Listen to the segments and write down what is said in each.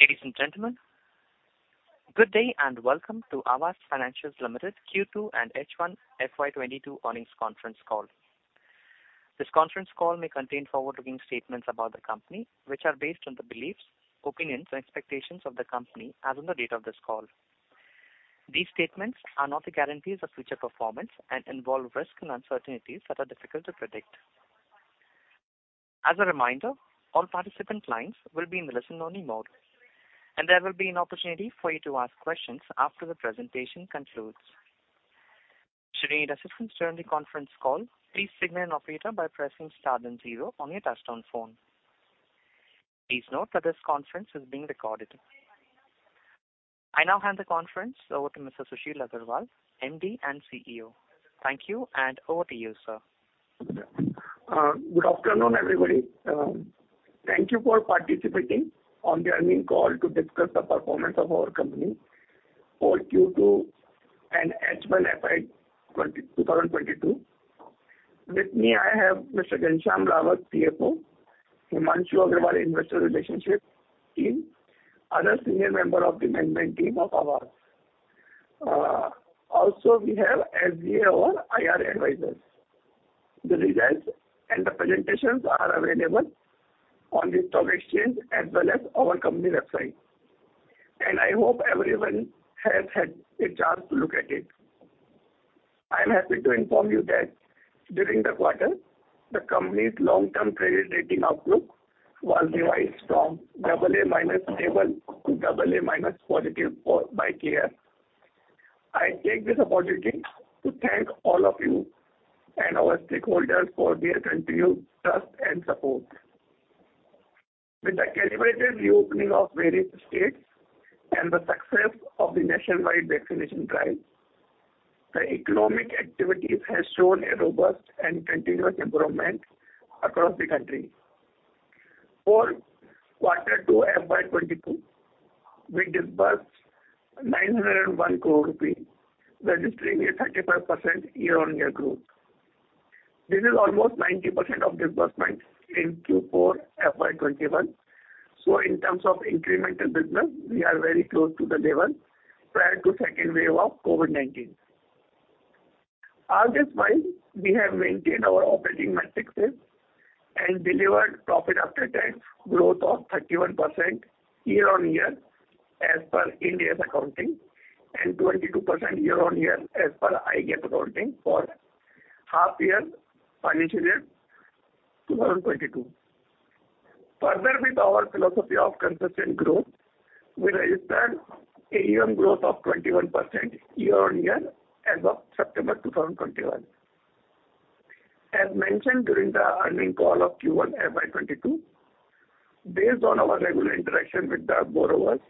Ladies and gentlemen, good day, and welcome to Aavas Financiers Limited Q2 and H1 FY 2022 earnings conference call. This conference call may contain forward-looking statements about the company, which are based on the beliefs, opinions, and expectations of the company as on the date of this call. These statements are not the guarantees of future performance and involve risks and uncertainties that are difficult to predict. As a reminder, all participant lines will be in listen only mode, and there will be an opportunity for you to ask questions after the presentation concludes. Should you need assistance during the conference call, please signal an operator by pressing star then zero on your touchtone phone. Please note that this conference is being recorded. I now hand the conference over to Mr. Sushil Agarwal, MD and CEO. Thank you, and over to you, sir. Good afternoon, everybody. Thank you for participating on the earnings call to discuss the performance of our company for Q2 and H1 FY 2022. With me, I have Mr. Ghanshyam Rawat, CFO, Himanshu Agrawal, Investor Relations team, other senior member of the management team of Aavas. Also we have SGA our IR advisors. The results and the presentations are available on the stock exchange as well as our company website, and I hope everyone has had a chance to look at it. I am happy to inform you that during the quarter, the company's long-term credit rating outlook was revised from AA- stable to AA- positive by CARE. I take this opportunity to thank all of you and our stakeholders for their continued trust and support. With the calibrated reopening of various states and the success of the nationwide vaccination drive, the economic activities has shown a robust and continuous improvement across the country. For Q2 FY 2022, we disbursed 901 crore rupees, registering a 35% year-on-year growth. This is almost 90% of disbursement in Q4 FY 2021, so in terms of incremental business, we are very close to the level prior to second wave of COVID-19. All this while, we have maintained our operating metrics safe and delivered profit after tax growth of 31% year-on-year as per Ind AS accounting and 22% year-on-year as per IGAAP accounting for H1 FY 2022. Further, with our philosophy of consistent growth, we registered AUM growth of 21% year-on-year as of September 2021. As mentioned during the earnings call of Q1 FY 2022, based on our regular interaction with the borrowers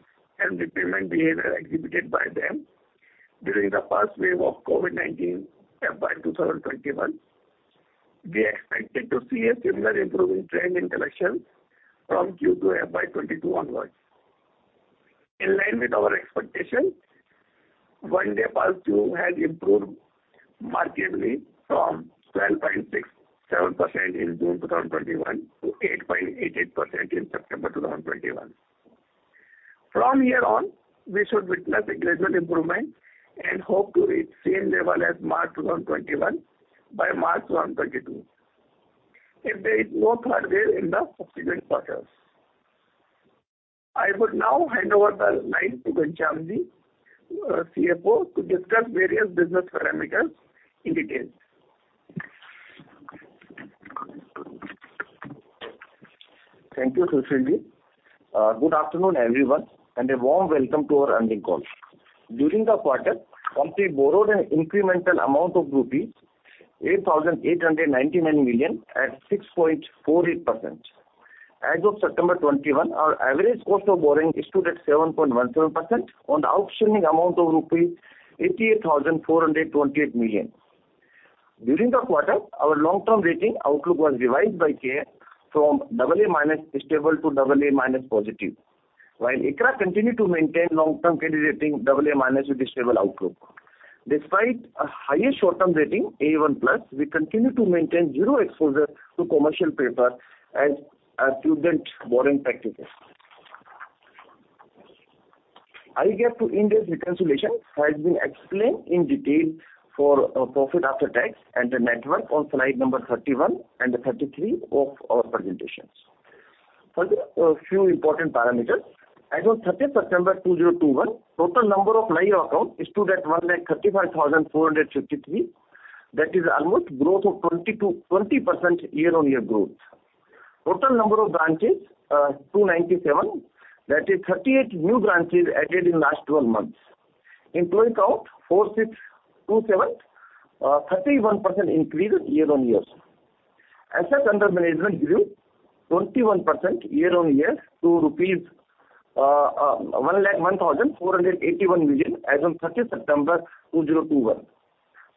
and the payment behavior exhibited by them during the first wave of COVID-19 FY 2021, we are expected to see a similar improving trend in collection from Q2 FY 2022 onwards. In line with our expectation, 1 day past due has improved markedly from 12.67% in June 2021 to 8.88% in September 2021. From here on, we should witness a gradual improvement and hope to reach same level as March 2021 by March 2022, if there is no third wave in the subsequent quarters. I would now hand over the line to Ghanshyamji, CFO, to discuss various business parameters in detail. Thank you, Sushil ji. Good afternoon, everyone, and a warm welcome to our earnings call. During the quarter, the company borrowed an incremental amount of rupee 8,899 million at 6.48%. As of September 21, our average cost of borrowing stood at 7.17% on the outstanding amount of rupees 88,428 million. During the quarter, our long-term rating outlook was revised by CARE from AA- stable to AA- positive. ICRA continued to maintain long-term credit rating AA- with a stable outlook. Despite a higher short-term rating, A1+, we continue to maintain zero exposure to commercial paper as a prudent borrowing practice. IGAAP to Ind AS reconciliation has been explained in detail for profit after tax and the net worth on slide number 31 and 33 of our presentation. Further, a few important parameters. As on thirtieth September 2021, total number of live account stood at 1,35,453. That is almost growth of 20%-20% quarter-over-quarter growth. Total number of branches, 297. That is 38 new branches added in last twelve months. Employee count, 4,627. 31% increase quarter-over-quarter. Assets under management grew 21% quarter-over-quarter to INR 1,01,481 million as on thirtieth September 2021.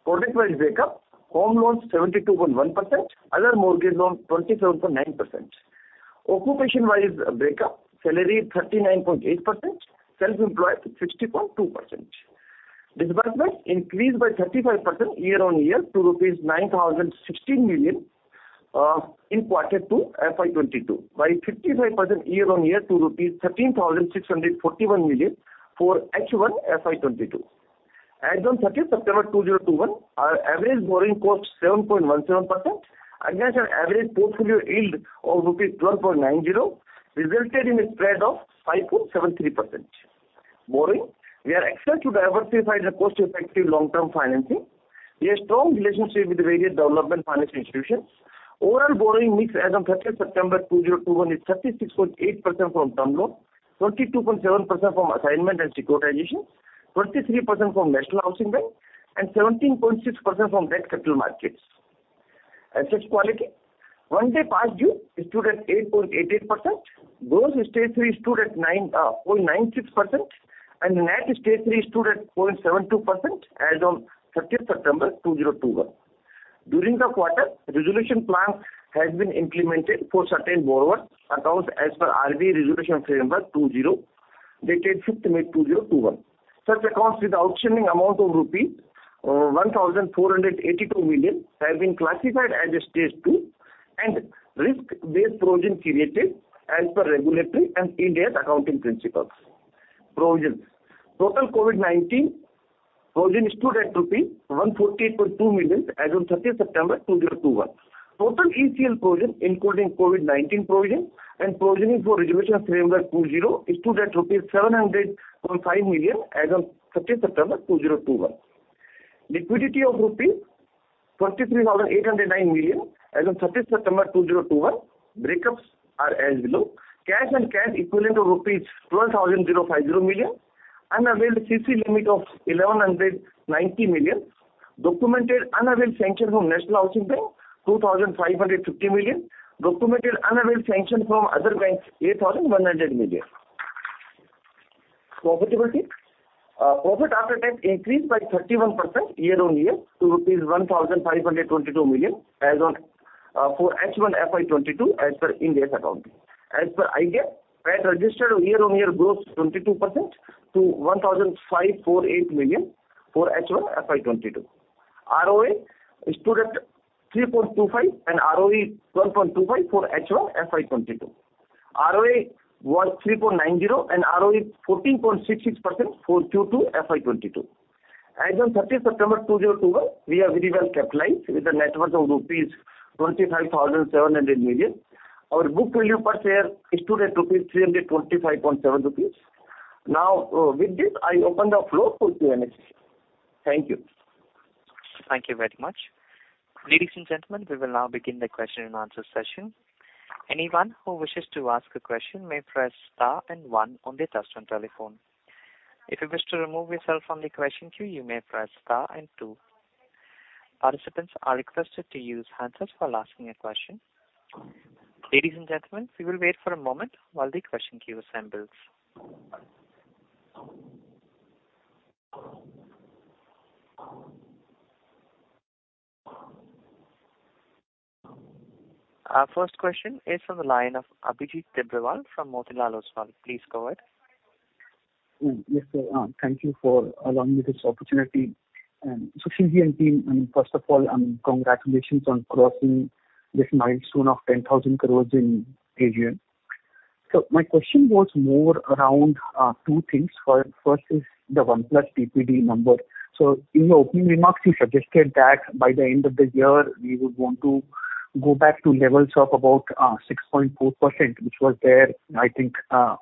Product-wise break up, home loans 72.1%, other mortgage loans 27.9%. Occupation-wise, break up, salary 39.8%, self-employed 60.2%. Disbursement increased by 35% quarter-over-quarter to INR 9,016 million in quarter two FY 2022. By 55% year-on-year to INR 13,641 million for H1 FY 2022. As on 30th September 2021, our average borrowing cost 7.17% against an average portfolio yield of 12.90, resulted in a spread of 5.73%. Borrowing. We are excited to diversify the cost-effective long-term financing. We have strong relationship with various development finance institutions. Overall borrowing mix as on 30th September 2021 is 36.8% from term loan, 22.7% from assignment and securitization, 23% from National Housing Bank and 17.6% from debt capital markets. Asset quality. One-day past due stood at 8.88%. Gross Stage three stood at 9.96%, and net Stage three stood at 0.72% as on 30th September 2021. During the quarter, resolution plan has been implemented for certain borrower accounts as per RBI resolution framework 2.0 dated 5th May 2021. Such accounts with outstanding amount of rupees 1,482 million have been classified as Stage two and risk-based provision created as per regulatory and Ind AS accounting principles. Provisions. Total COVID-19 provision stood at rupees 148.2 million as on 30th September 2021. Total ECL provision, including COVID-19 provision and provisioning for resolution framework 2.0, stood at rupees 700.5 million as on 30th September 2021. Liquidity of rupees 23,809 million as on 30th September 2021. Breakups are as below. Cash and cash equivalents of rupees 12,050 million. Unavailed CC limit of 1,190 million. Documented unavailed sanction from National Housing Bank, 2,550 million. Documented unavailed sanction from other banks, 8,100 million. Profitability. Profit after tax increased by 31% year-on-year to rupees 1,522 million as on for H1 FY 2022 as per Ind AS accounting. As per IGAAP, PAT registered a year-on-year growth of 22% to 1,548 million for H1 FY 2022. ROA stood at 3.25% and ROE 12.25% for H1 FY 2022. ROA was 3.90 and ROE 14.66% for Q2 FY 2022. As on 30th September 2021, we are very well capitalized with a net worth of rupees 25,700 million. Our book value per share stood at 325.7 rupees. Now, with this, I open the floor for Q&A session. Thank you. Thank you very much. Ladies and gentlemen, we will now begin the question and answer session. Anyone who wishes to ask a question may press star and one on their touchtone telephone. If you wish to remove yourself from the question queue, you may press star and two. Participants are requested to use handsets while asking a question. Ladies and gentlemen, we will wait for a moment while the question queue assembles. Our first question is from the line of Abhijit Tibrewal from Motilal Oswal. Please go ahead. Yes, sir. Thank you for allowing me this opportunity. Sushil Agarwal and team, first of all, congratulations on crossing this milestone of 10,000 crore in AUM. My question was more around two things. First is the 1+ DPD number. In your opening remarks, you suggested that by the end of the year, we would want to go back to levels of about 6.4%, which was there, I think, at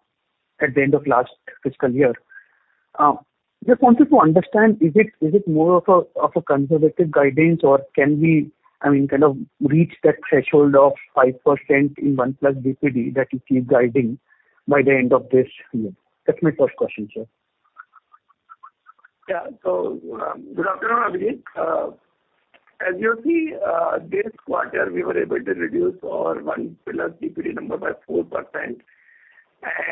the end of last fiscal year. Just wanted to understand, is it more of a conservative guidance or can we, I mean, kind of reach that threshold of 5% in 1+ DPD that you keep guiding by the end of this year? That's my first question, sir. Good afternoon, Abhijit. As you see, this quarter, we were able to reduce our 1+ DPD number by 4%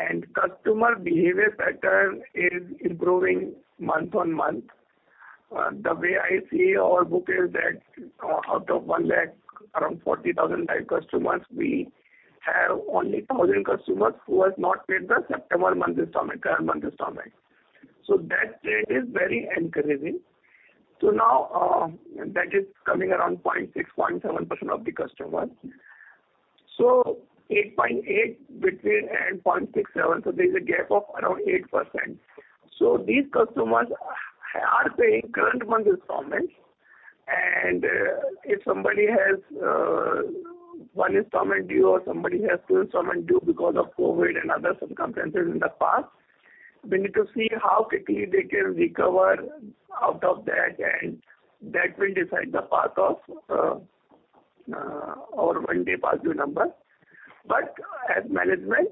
and customer behavior pattern is improving month-on-month. The way I see our book is that out of 1 lakh, around 40,000 live customers, we have only 1,000 customers who has not paid the September month installment, current month installment. That rate is very encouraging. Now, that is coming around 0.6%-0.7% of the customer. Between 8.8% and 0.67%, there's a gap of around 8%. These customers are paying current month installments and, if somebody has one installment due or somebody has two installment due because of COVID and other circumstances in the past, we need to see how quickly they can recover out of that, and that will decide the path of our one day past due number. As management,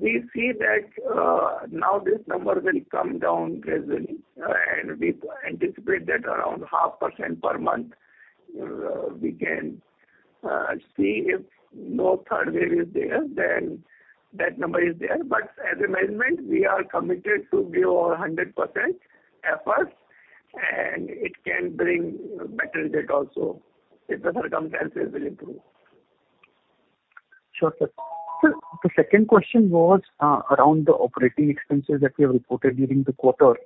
we see that now this number will come down gradually, and we anticipate that around half percent per month. We can see if no third wave is there, then that number is there. As a management, we are committed to give our 100% efforts and it can bring better rate also if the circumstances will improve. Sure, sir. Sir, the second question was around the operating expenses that we have reported during the quarter.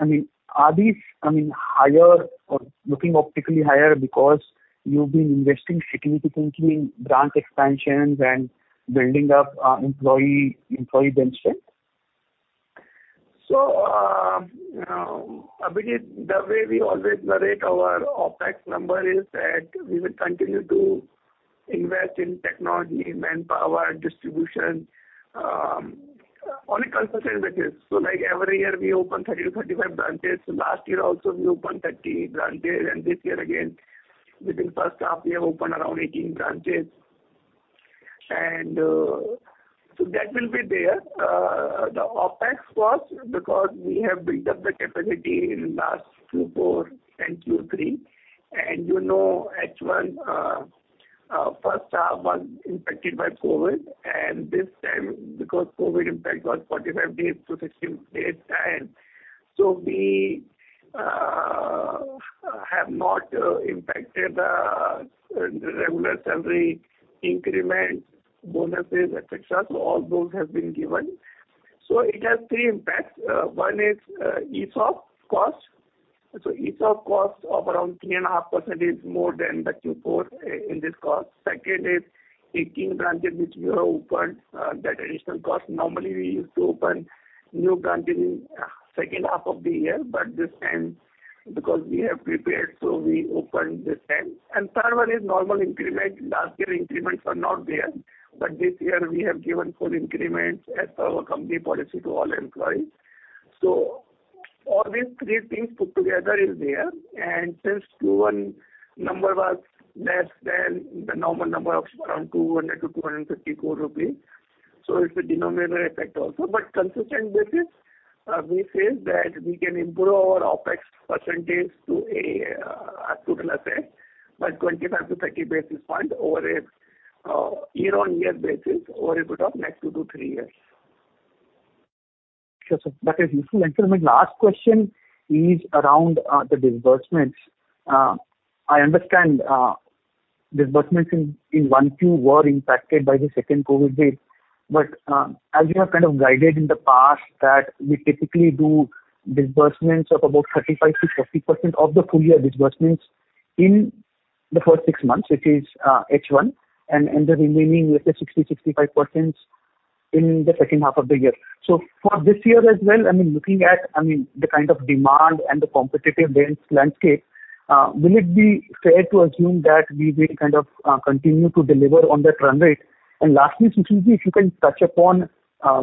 I mean, are these, I mean, higher or looking optically higher because you've been investing significantly in branch expansions and building up employee bench strength? Abhijit, the way we always narrate our OpEx number is that we will continue to invest in technology, manpower, distribution, on a consistent basis. Like every year, we open 30-35 branches. Last year also we opened 30 branches, and this year again, within H1, we have opened around 18 branches. That will be there. The OpEx was because we have built up the capacity in last Q4 and Q3. You know H1, H1 was impacted by COVID, and this time because COVID impact was 45-60 days time. We have not impacted the regular salary increments, bonuses, et cetera. All those have been given. It has three impacts. One is ESOP cost. ESOP cost of around 3.5% is more than the Q4 in this cost. Second is 18 branches which we have opened, that additional cost. Normally, we used to open new branches in H2 of the year, but this time because we have prepared, we opened this time. Third one is normal increment. Last year increments were not there, but this year we have given full increments as per our company policy to all employees. All these three things put together is there. Since Q1 number was less than the normal number of around 200 crore-250 crore rupees, it's a denominator effect also. On a consistent basis, we say that we can improve our OpEx percentage to as good as it by 25-30 basis points over a year-on-year basis over a period of next two-three years. Sure, sir. That is useful. Sir, my last question is around the disbursements. I understand disbursements in Q1 were impacted by the second COVID wave. As you have kind of guided in the past that we typically do disbursements of about 35%-40% of the full year disbursements in the first six months, which is H1 and the remaining let's say 60%-65% in the H2 of the year. For this year as well, I mean, looking at, I mean, the kind of demand and the competitive landscape, will it be fair to assume that we will kind of continue to deliver on that run rate? Lastly, Sushil ji, if you can touch upon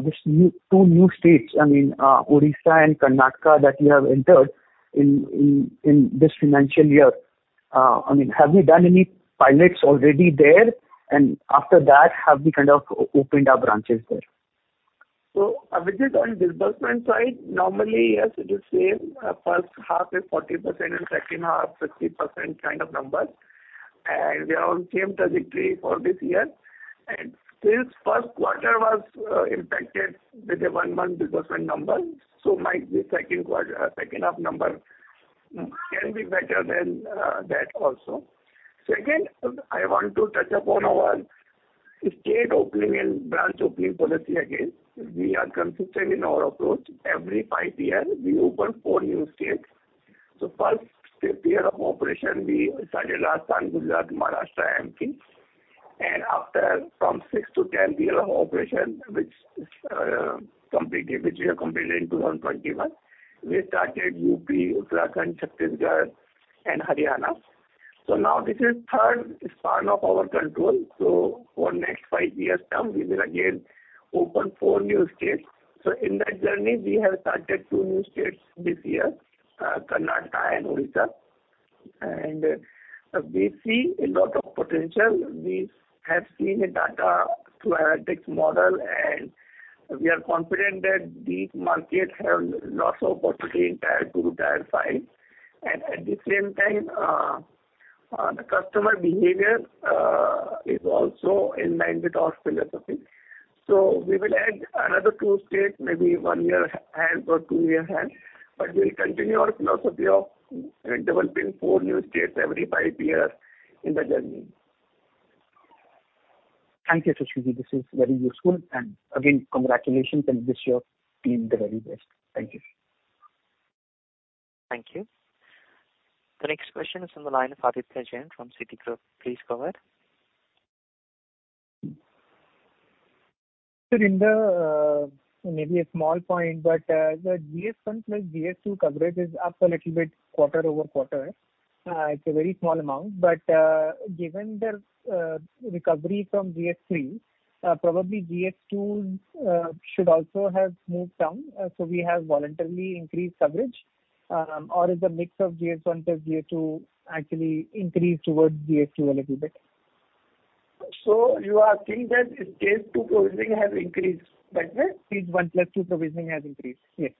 this new... Two new states, I mean, Odisha and Karnataka that you have entered in this financial year. I mean, have you done any pilots already there? After that, have you kind of opened up branches there? Abhijit, on disbursement side, normally, yes, it is same. H1 is 40% and H2 60% kind of numbers. We are on same trajectory for this year. Since Q1 was impacted with a one-month disbursement number, H2 number can be better than that also. Second, I want to touch upon our state opening and branch opening policy again. We are consistent in our approach. Every five years, we open four new states. First to fifth year of operation, we started Rajasthan, Gujarat, Maharashtra and MP. After from sixth to tenth year of operation, which we have completed in 2021, we started UP, Uttarakhand, Chhattisgarh and Haryana. Now this is third span of our control. For next five years term, we will again open four new states. In that journey, we have started two new states this year, Karnataka and Odisha. We see a lot of potential. We have seen a data through analytics model, and we are confident that these markets have lots of potential in tier-2, tier-3 cities. At the same time, the customer behavior is also in line with our philosophy. We will add another two states, maybe one year ahead or two year ahead, but we'll continue our philosophy of developing four new states every five years in the journey. Thank you, Sushil ji. This is very useful. Again, congratulations and wish your team the very best. Thank you. Thank you. The next question is from the line of Aditya Jain from Citigroup. Please go ahead. Sir, in the maybe a small point, but the Stage one plus Stage two coverage is up a little bit quarter-over-quarter. It's a very small amount, but given the recovery from Stage three, probably Stage two should also have moved down, so we have voluntarily increased coverage. Or is the mix of Stage one plus Stage two actually increased towards Stage two a little bit? You are saying that Stage two provisioning has increased? That's right. Stage one plus two provisioning has increased. Yes.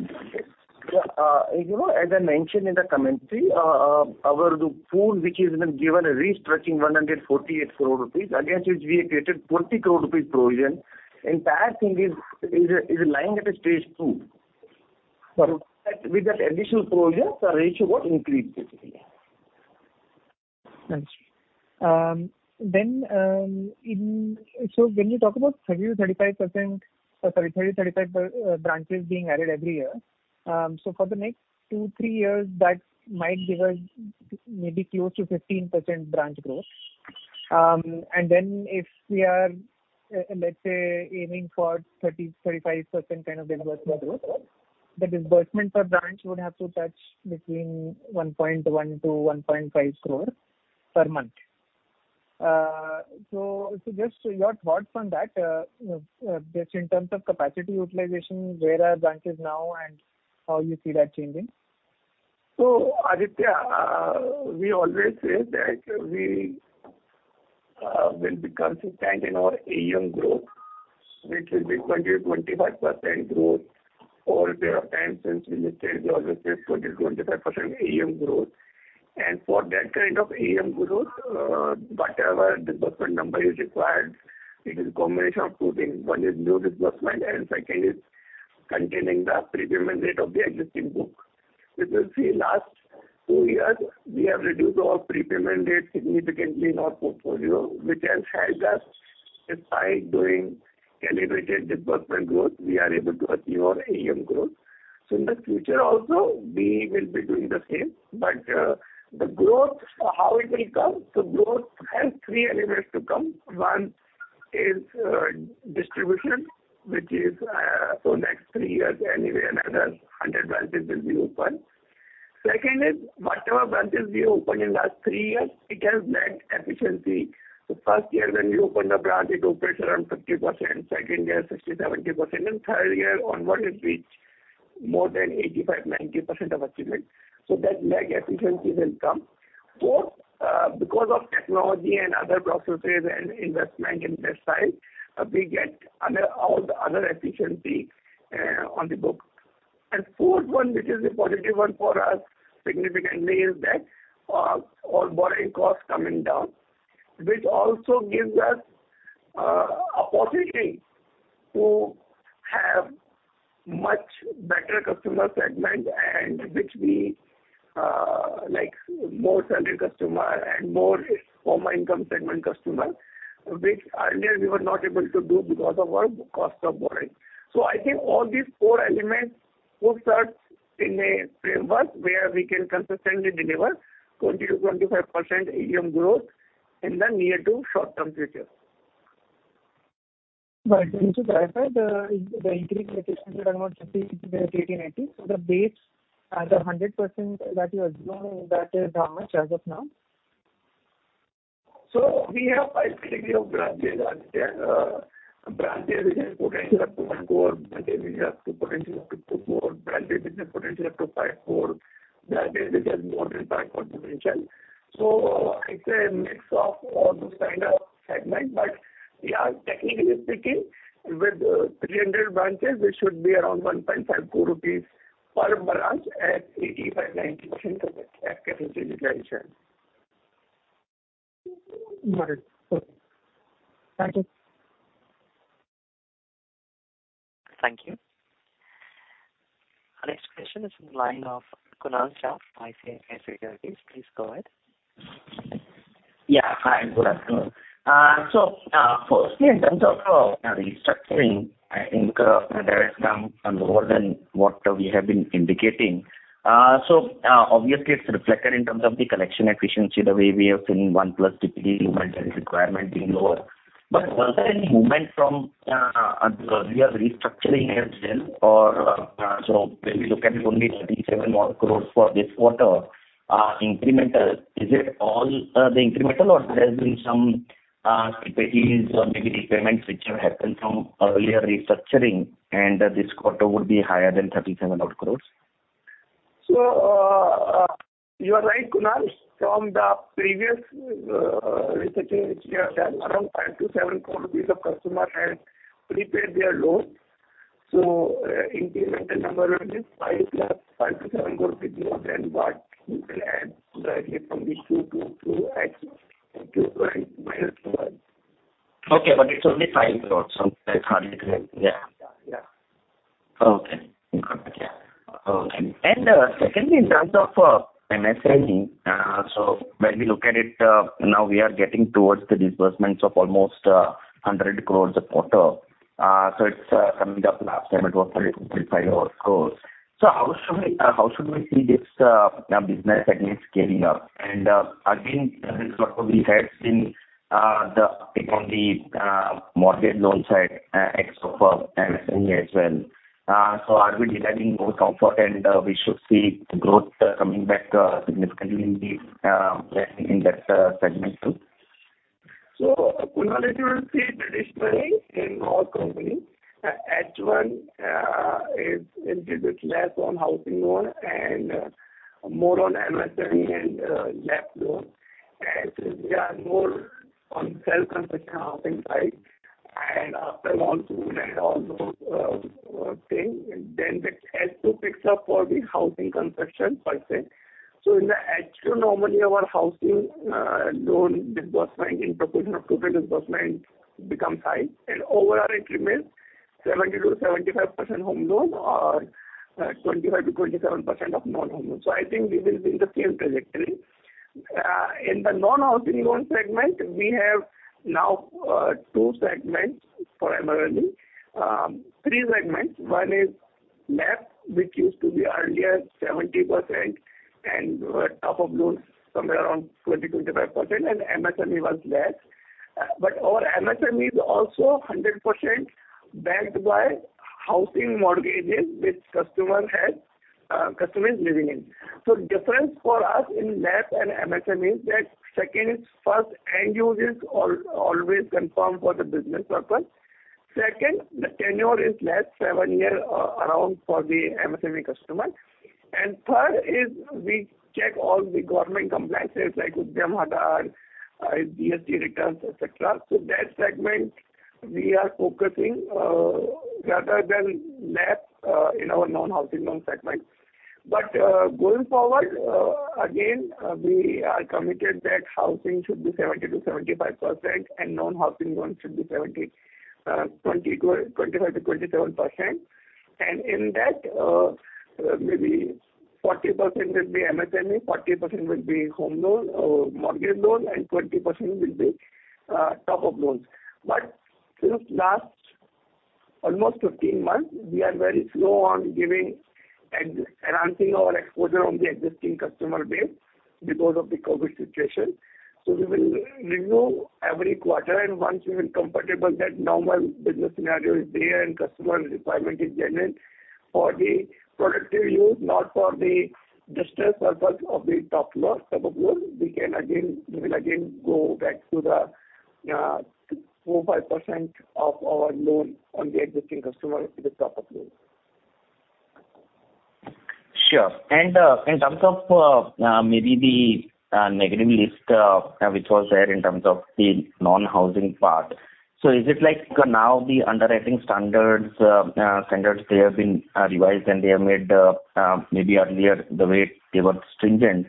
Okay. You know, as I mentioned in the commentary, our pool which has been given a restructuring 148 crore rupees, against which we have created 40 crore rupees provision. Entire thing is lying at Stage two. With that additional project, our ratio got increased basically. Understood. When you talk about 30-35% branches being added every year, for the next two-three years, that might give us maybe close to 15% branch growth. If we are, let's say aiming for 30-35% kind of disbursement growth. Correct. The disbursement per branch would have to touch between 1.1 crore-1.5 crore per month. Just your thoughts on that, just in terms of capacity utilization, where are branches now and how you see that changing? Aditya, we always say that we will be consistent in our AUM growth, which will be 20%-25% growth all the time. Since we listed, we always say 20%-25% AUM growth. For that kind of AUM growth, whatever disbursement number is required, it is a combination of two things. One is new disbursement and second is containing the prepayment rate of the existing book. Because see, last two years we have reduced our prepayment rate significantly in our portfolio, which has helped us, despite doing calibrated disbursement growth, we are able to achieve our AUM growth. In the future also we will be doing the same. The growth, how it will come? Growth has three elements to come. One is distribution, which is for next three years anyway another 100 branches will be open. Second is whatever branches we opened in last three years, it has lag efficiency. First year when we open the branch, it operates around 50%, second year 60%-70%, and third year onwards it reach more than 85%-90% of achievement. That lag efficiency will come. Fourth, because of technology and other processes and investment in that side, we get other, all the other efficiency, on the book. Fourth one, which is a positive one for us significantly, is that our borrowing cost coming down, which also gives us, opportunity to have much better customer segment and which we, like more salaried customer and more formal income segment customer, which earlier we were not able to do because of our cost of borrowing. I think all these four elements puts us in a framework where we can consistently deliver 20%-25% AUM growth in the near to short-term future. Can you clarify the increase efficiency around 50 to 80, 90%? The base as 100% that you assume that how much as of now? We have five categories of branches, Aditya. Branches which have potential up to INR 1 crore, branches which have potential up to INR 2 crore, branches which have potential up to INR 5 crore, branches which have more than INR 5 crore potential. It's a mix of all those kinds of segments. But technically speaking, with 300 branches, it should be around 1.5 crore rupees per branch at 85%-90% of capacity utilization. Got it. Okay. Thank you. Thank you. Our next question is from the line of Kunal Shah from IIFL Securities. Please go ahead. Yeah. Hi, good afternoon. So, firstly, in terms of restructuring, I think there is some unwind in what we have been indicating. So, obviously it's reflected in terms of the collection efficiency, the way we have seen 1+ DPD requirement being lower. Was there any movement from the earlier restructuring as well, or when we look at it, only 37 crore for this quarter, incremental, is it all the incremental or there has been some prepayments or maybe repayments which have happened from earlier restructuring and this quarter would be higher than 37 crore? You are right, Kunal. From the previous restructuring which we have done, around 5 crore-7 crore of customers had prepaid their loans. Incremental number will be 5+, 5-7 crore rupees more than what you can add directly from the Q2 to actual Q3 minus one. Okay, but it's only 5 crore. That's hardly the case. Yeah. Okay. Got it, yeah. Okay. Secondly, in terms of MSME, when we look at it, now we are getting towards the disbursements of almost 100 crore a quarter. It's coming up. Last time it was 30 crore-35 crore. How should we see this business again scaling up? Again, there is lot of reset in the uptake on the mortgage loan side, ex of MSME as well. Are we deriving more comfort and we should see the growth coming back significantly in the lending in that segment too? Kunal, if you will see the display in our company, H1 is a little bit less on housing loan and more on MSME and LAP loan. We are more on self-construction housing side and after R1, we'll add all those thing. Then the H2 picks up for the housing construction per se. In the H2, normally our housing loan disbursement in proportion of total disbursement becomes high and overall it remains 70%-75% home loan or 25%-27% of non-home loans. I think this will be the same trajectory. In the non-housing loan segment, we have now two segments for emerging. Three segments. One is LAP, which used to be earlier 70% and top-up loans somewhere around 20%-25% and MSME was less. Our MSME is also 100% backed by housing mortgages which customer has, customers living in. Difference for us in LAP and MSME is that first, end users always confirm for the business purpose. Second, the tenure is less, around seven years for the MSME customer. And third, we check all the government compliances like Udyam Aadhar, GST returns, et cetera. That segment we are focusing, rather than LAP, in our non-housing loan segment. Going forward, again, we are committed that housing should be 70%-75% and non-housing loans should be 25%-27%. In that, maybe 40% will be MSME, 40% will be home loan or mortgage loan, and 20% will be top-up loans. Since last almost 15 months, we are very slow on giving and enhancing our exposure on the existing customer base because of the COVID situation. We will renew every quarter and once we are comfortable that normal business scenario is there and customer requirement is genuine for the productive use, not for the distress purpose of the top-up loans. We will again go back to the 4%-5% of our loan on the existing customer to the top-up loans. Sure. In terms of maybe the negative list which was there in terms of the non-housing part, so is it like now the underwriting standards they have been revised and they have made maybe earlier the way they were stringent.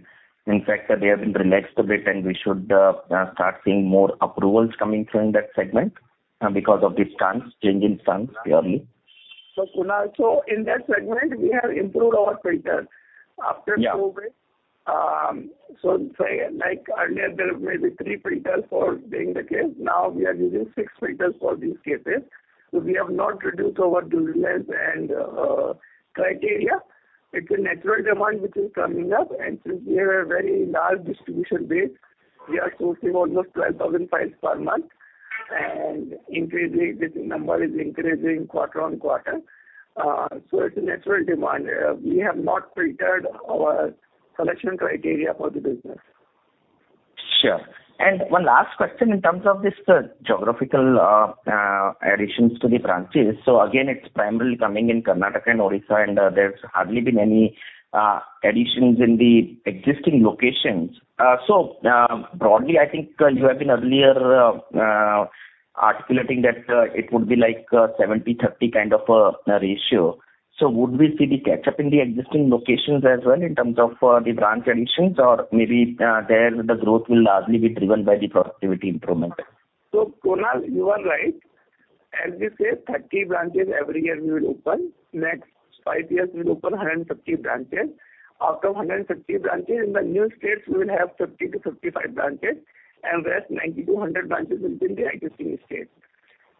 In fact, they have been relaxed a bit, and we should start seeing more approvals coming from that segment because of this change in stance clearly? Kunal, so in that segment we have improved our filters after COVID. Yeah. Say like earlier there were maybe three filters for being the case, now we are using six filters for these cases. We have not reduced our due diligence and criteria. It's a natural demand which is coming up and since we have a very large distribution base, we are sourcing almost 12,000 files per month and increasingly this number is increasing quarter-over-quarter. It's a natural demand. We have not filtered our selection criteria for the business. Sure. One last question in terms of this, geographical additions to the branches. Again, it's primarily coming in Karnataka and Odisha, and there's hardly been any additions in the existing locations. Broadly, I think you have been earlier articulating that it would be like 70-30 kind of ratio. Would we see the catch up in the existing locations as well in terms of the branch additions or maybe there the growth will largely be driven by the productivity improvement? Kunal, you are right. As we say, 30 branches every year we will open. Next five years we'll open 150 branches. Out of 150 branches in the new states we will have 50-55 branches and rest 90-100 branches within the existing states.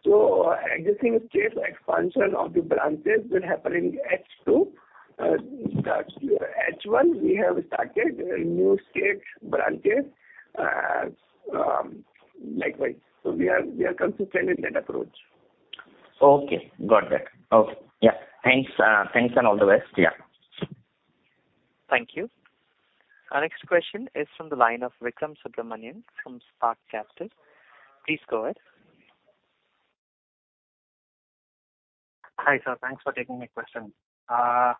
Existing states expansion of the branches will happen in H2. H1 we have started new state branches, likewise. We are consistent in that approach. Okay. Got that. Okay. Yeah. Thanks. Thanks and all the best. Yeah. Thank you. Our next question is from the line of Vikram Subramanian from Spark Capital. Please go ahead. Hi, sir. Thanks for taking my question. A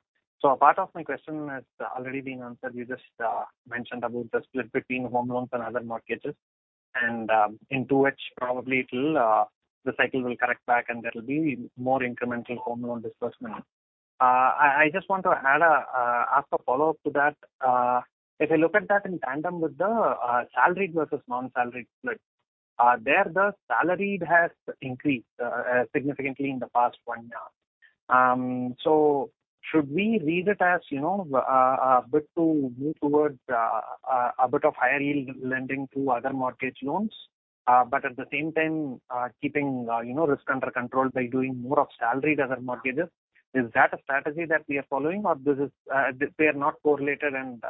part of my question has already been answered. You just mentioned about the split between home loans and other mortgages, and into which probably it'll the cycle will correct back and there'll be more incremental home loan disbursement. I just want to ask a follow-up to that. If I look at that in tandem with the salaried versus non-salaried split, there the salaried has increased significantly in the past one year. Should we read it as, you know, a bit to move towards a bit of higher yield lending to other mortgage loans, but at the same time keeping you know risk under control by doing more of salaried other mortgages? Is that a strategy that we are following or this is, they are not correlated and,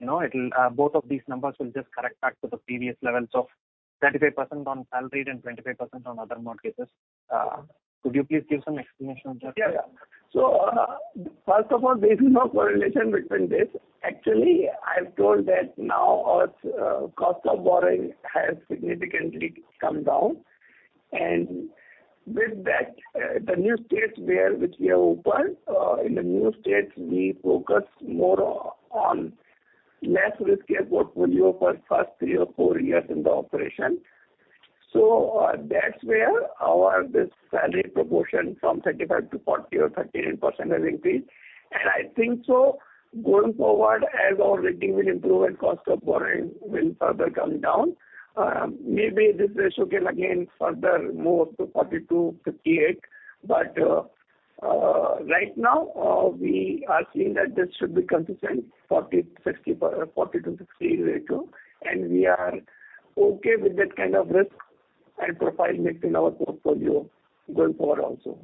you know, it'll both of these numbers will just correct back to the previous levels of 35% on salaried and 25% on other mortgages? Could you please give some explanation on that? First of all, there is no correlation between this. Actually, I've told that now our cost of borrowing has significantly come down. With that, the new states where we have opened, in the new states we focus more on less riskier portfolio for first three or four years in the operation. That's where our this salaried proportion from 35% to 40% or 38% has increased. I think so going forward, as our rating will improve and cost of borrowing will further come down, maybe this ratio can again further move to 42, 58. But right now, we are seeing that this should be consistent, 40 to 60 ratio, and we are okay with that kind of risk and profile mix in our portfolio going forward also.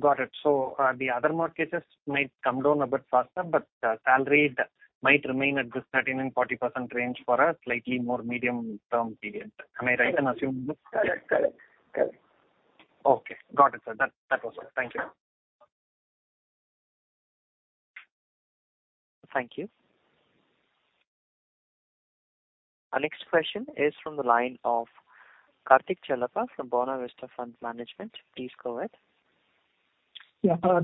Got it. The other mortgages might come down a bit faster, but the salaried might remain at this 13.40% range for a slightly more medium term period. Am I right in assuming this? Correct. Okay. Got it, sir. That was all. Thank you. Thank you. Our next question is from the line of Karthik Chellappa from Buena Vista Fund Management. Please go ahead.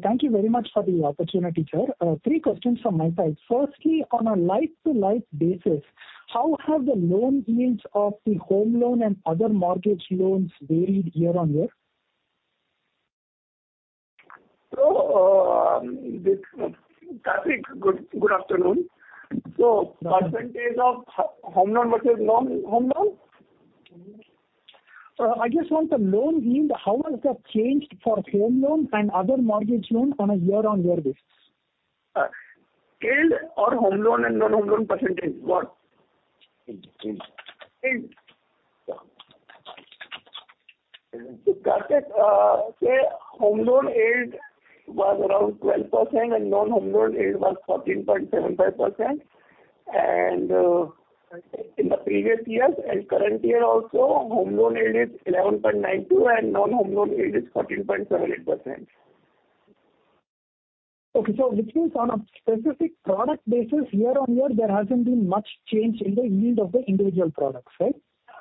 Thank you very much for the opportunity, sir. Three questions from my side. Firstly, on a like-to-like basis, how have the loan yields of the home loan and other mortgage loans varied year on year? Karthik, good afternoon. Good afternoon. Percentage of home loan versus non-home loan? I just want the loan yield. How has that changed for home loan and other mortgage loan on a year-on-year basis? Yield on home loan and non-home loan percentage, what? Yield. Yield. Karthik, home loan yield was around 12% and non-home loan yield was 14.75% and, in the previous years and current year also, home loan yield is 11.92%, and non-home loan yield is 14.78%. Okay. Which means on a specific product basis, year on year, there hasn't been much change in the yield of the individual products, right?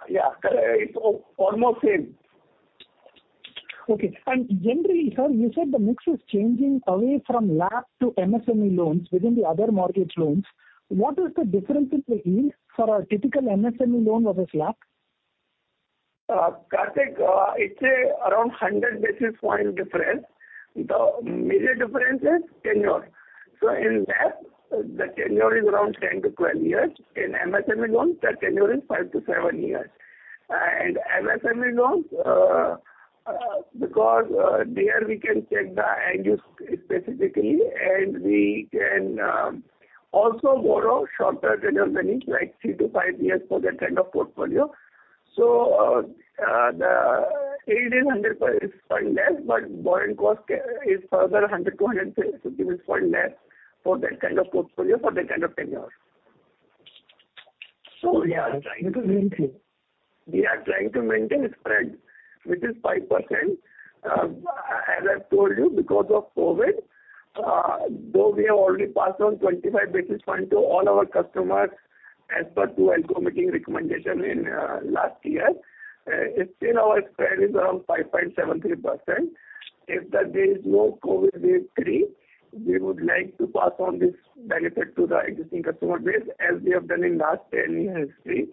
Yeah. Correct. It's almost same. Okay. Generally, sir, you said the mix is changing away from LAP to MSME loans within the other mortgage loans. What is the difference in the yield for a typical MSME loan versus LAP? Karthik, it's around 100 basis point difference. The major difference is tenure. In that, the tenure is around 10-12 years. In MSME loans, the tenure is five-seven years. MSME loans, because there we can check the end use specifically, and we can also borrow shorter tenures than this, like three-five years for that kind of portfolio. The yield is 100 basis points less, but borrowing cost is further 100-200 basis points less for that kind of portfolio, for that kind of tenure. This is very clear. We are trying to maintain a spread, which is 5%. As I've told you, because of COVID, though we have already passed on 25 basis points to all our customers as per dual committee recommendation in last year, still our spread is around 5.73%. If there is no COVID-free days, we would like to pass on this benefit to the existing customer base as we have done in last 10-years history.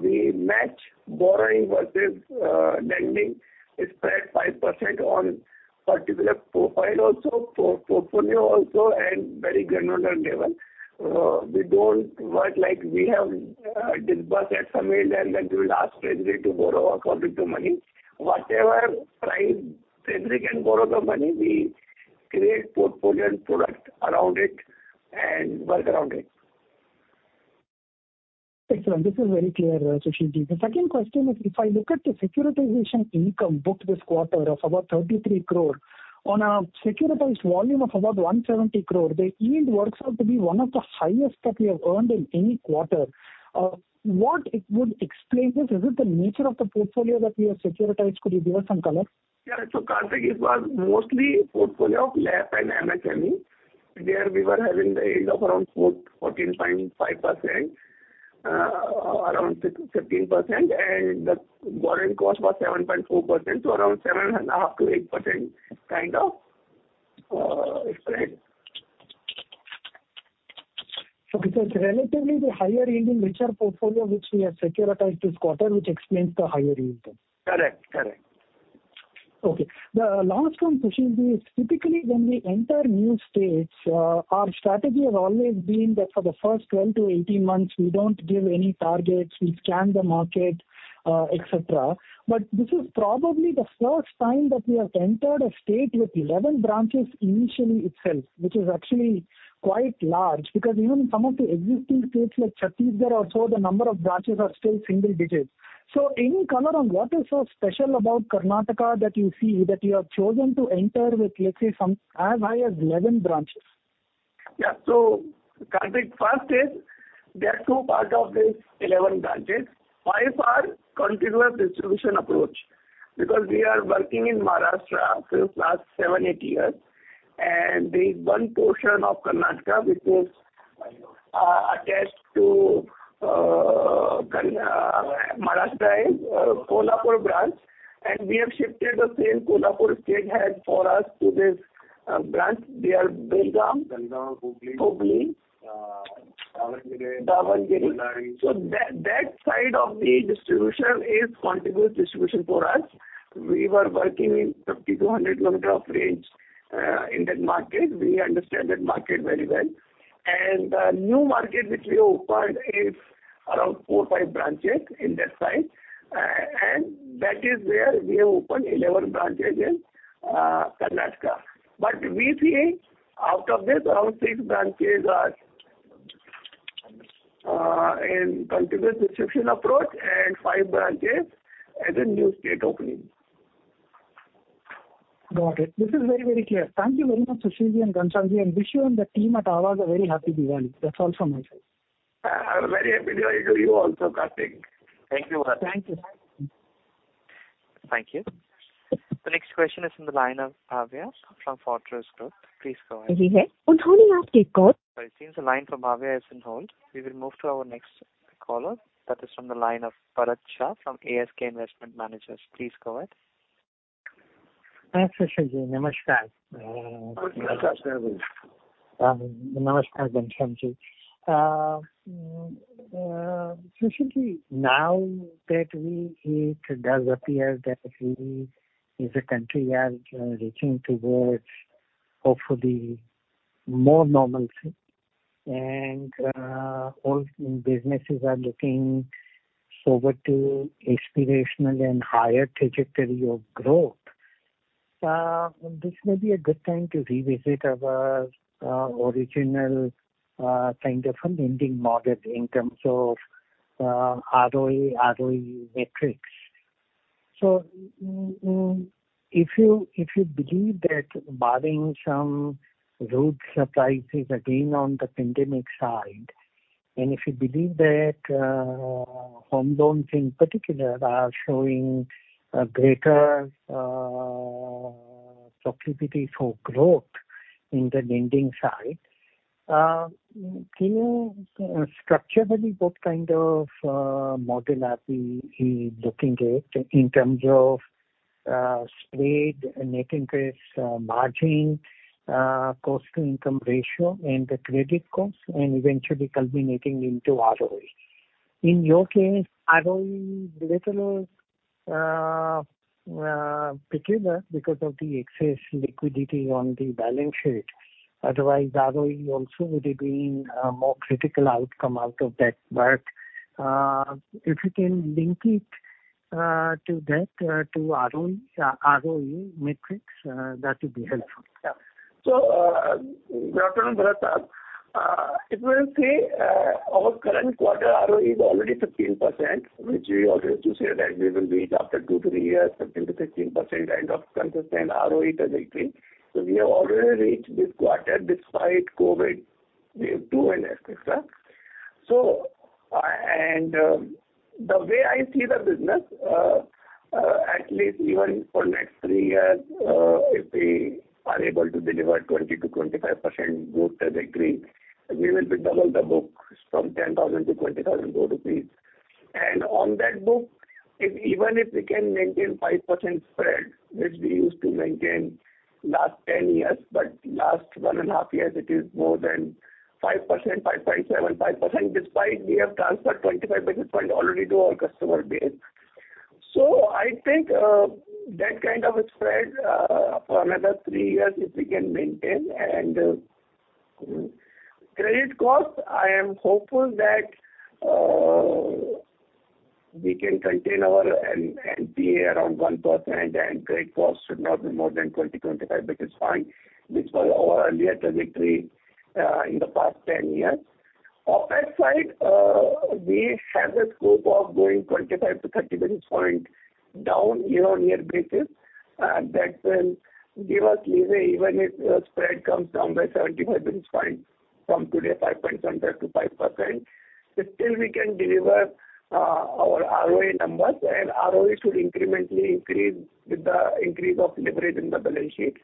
We match borrowing versus lending spread 5% on particular profile also, portfolio also and very granular level. We don't work like we have disbursed some yield and then we will ask treasury to borrow according to money. Whatever price treasury can borrow the money, we create portfolio and product around it and work around it. Excellent. This is very clear, Sushil ji. The second question is, if I look at the securitization income booked this quarter of about 33 crore on a securitized volume of about 170 crore, the yield works out to be one of the highest that we have earned in any quarter. What would explain this? Is it the nature of the portfolio that we have securitized? Could you give us some color? Yeah. Karthik, it was mostly portfolio of LAP and MSME. There we were having the yield of around 14.5%, around 15%, and the borrowing cost was 7.4%, so around 7.5%-8% kind of spread. It's relatively the higher yield in richer portfolio which we have securitized this quarter, which explains the higher yield than. Correct. Correct. Okay. The last one, Sushil ji, is typically when we enter new states, our strategy has always been that for the first 12 to 18 months, we don't give any targets, we scan the market, et cetera. But this is probably the first time that we have entered a state with 11 branches initially itself, which is actually quite large because even in some of the existing states like Chhattisgarh also, the number of branches are still single digits. So any color on what is so special about Karnataka that you see that you have chosen to enter with, let's say, some as high as 11 branches? Yeah. Kartik, first, there are two parts of these 11 branches. five are continuous distribution approach because we are working in Maharashtra since last seven-eight years and there is one portion of Karnataka which was attached to Maharashtra, Kolhapur branch and we have shifted the same Kolhapur state head for us to this branch, they are Belgaum, Hubli, Davangere, Bellary. That side of the distribution is contiguous distribution for us. We were working in 50-100 km range in that market. We understand that market very well. New market which we have opened is around four-five branches in that side and that is where we have opened 11 branches in Karnataka. We see out of this around six branches are in contiguous distribution approach and 5 branches as a new state opening. Got it. This is very, very clear. Thank you very much, Sushil ji and Ghanshyam ji, and wish you and the team at Aavas a very happy Diwali. That's all from my side. Very happy Diwali to you also, Karthik. Thank you very much. Thank you. Thank you. The next question is from the line of Bhavya from Fortress Group. Please go ahead. It seems the line from Bhavya is on hold. We will move to our next caller. That is from the line of Bharat Shah from ASK Investment Managers. Please go ahead. Hi, Sushil ji. Namaskar. Good morning. Namaskar, Bharat. Namaskar, Ghanshyam ji. Sushil ji, now that we, it does appear that we as a country are reaching towards, hopefully more normalcy and all businesses are looking forward to aspirational and higher trajectory of growth. This may be a good time to revisit our original kind of funding model in terms of ROE metrics. If you believe that barring some rude surprises again on the pandemic side, and if you believe that home loans in particular are showing a greater proclivity for growth in the lending side, can you structurally what kind of model are we looking at in terms of spread, net interest margin, cost to income ratio and the credit costs and eventually culminating into ROE? In your case, ROE little particular because of the excess liquidity on the balance sheet. Otherwise, ROE also would have been a more critical outcome out of that. If you can link it to that, to ROE metrics, that would be helpful. Yeah. Good afternoon, Bharat Shah. If you will see, our current quarter ROE is already 15%, which we always used to say that we will reach after two-three years, 15%-15% kind of consistent ROE trajectory. We have already reached this quarter despite COVID-19 wave two and et cetera. The way I see the business, at least even for next three years, if we are able to deliver 20%-25% growth trajectory, we will double the book from 10,000 crore to 20,000 crore rupees. On that book, if even if we can -aintain 5% spread, which we used to maintain last 10 years, but last 1.5 years it is more than 5%, 5.75% despite we have transferred 25 basis points already to our customer base. I think that kind of a spread for another 3 years if we can maintain and credit cost, I am hopeful that we can contain our NPA around 1% and credit cost should not be more than 20-25 basis points, which was our earlier trajectory in the past 10 years. OpEx side, we have a scope of going 25-30 basis points down year-on-year basis. That will give us leeway even if spread comes down by 75 basis points from today, 5.75%. Still we can deliver our ROE numbers, and ROE should incrementally increase with the increase of leverage in the balance sheet.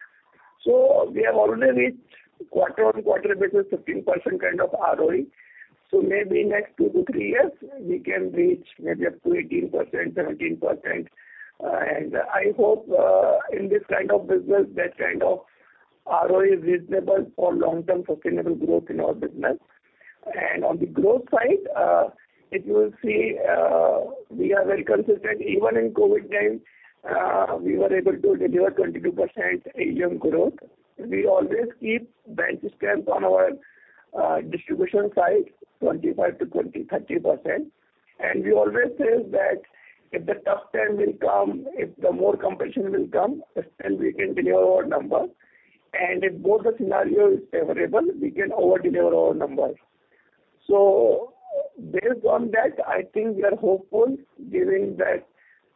We have already reached quarter-over-quarter basis 15% kind of ROE. Maybe next two to three years we can reach maybe up to 18%, 17%. I hope in this kind of business that kind of ROE is reasonable for long-term sustainable growth in our business. On the growth side, if you will see, we are very consistent. Even in COVID times, we were able to deliver 22% AUM growth. We always keep bench strength on our distribution side, 25%-30%. We always say that if the tough time will come, if the more competition will come, still we can deliver our numbers. If both the scenario is favorable, we can over-deliver our numbers. Based on that, I think we are hopeful giving that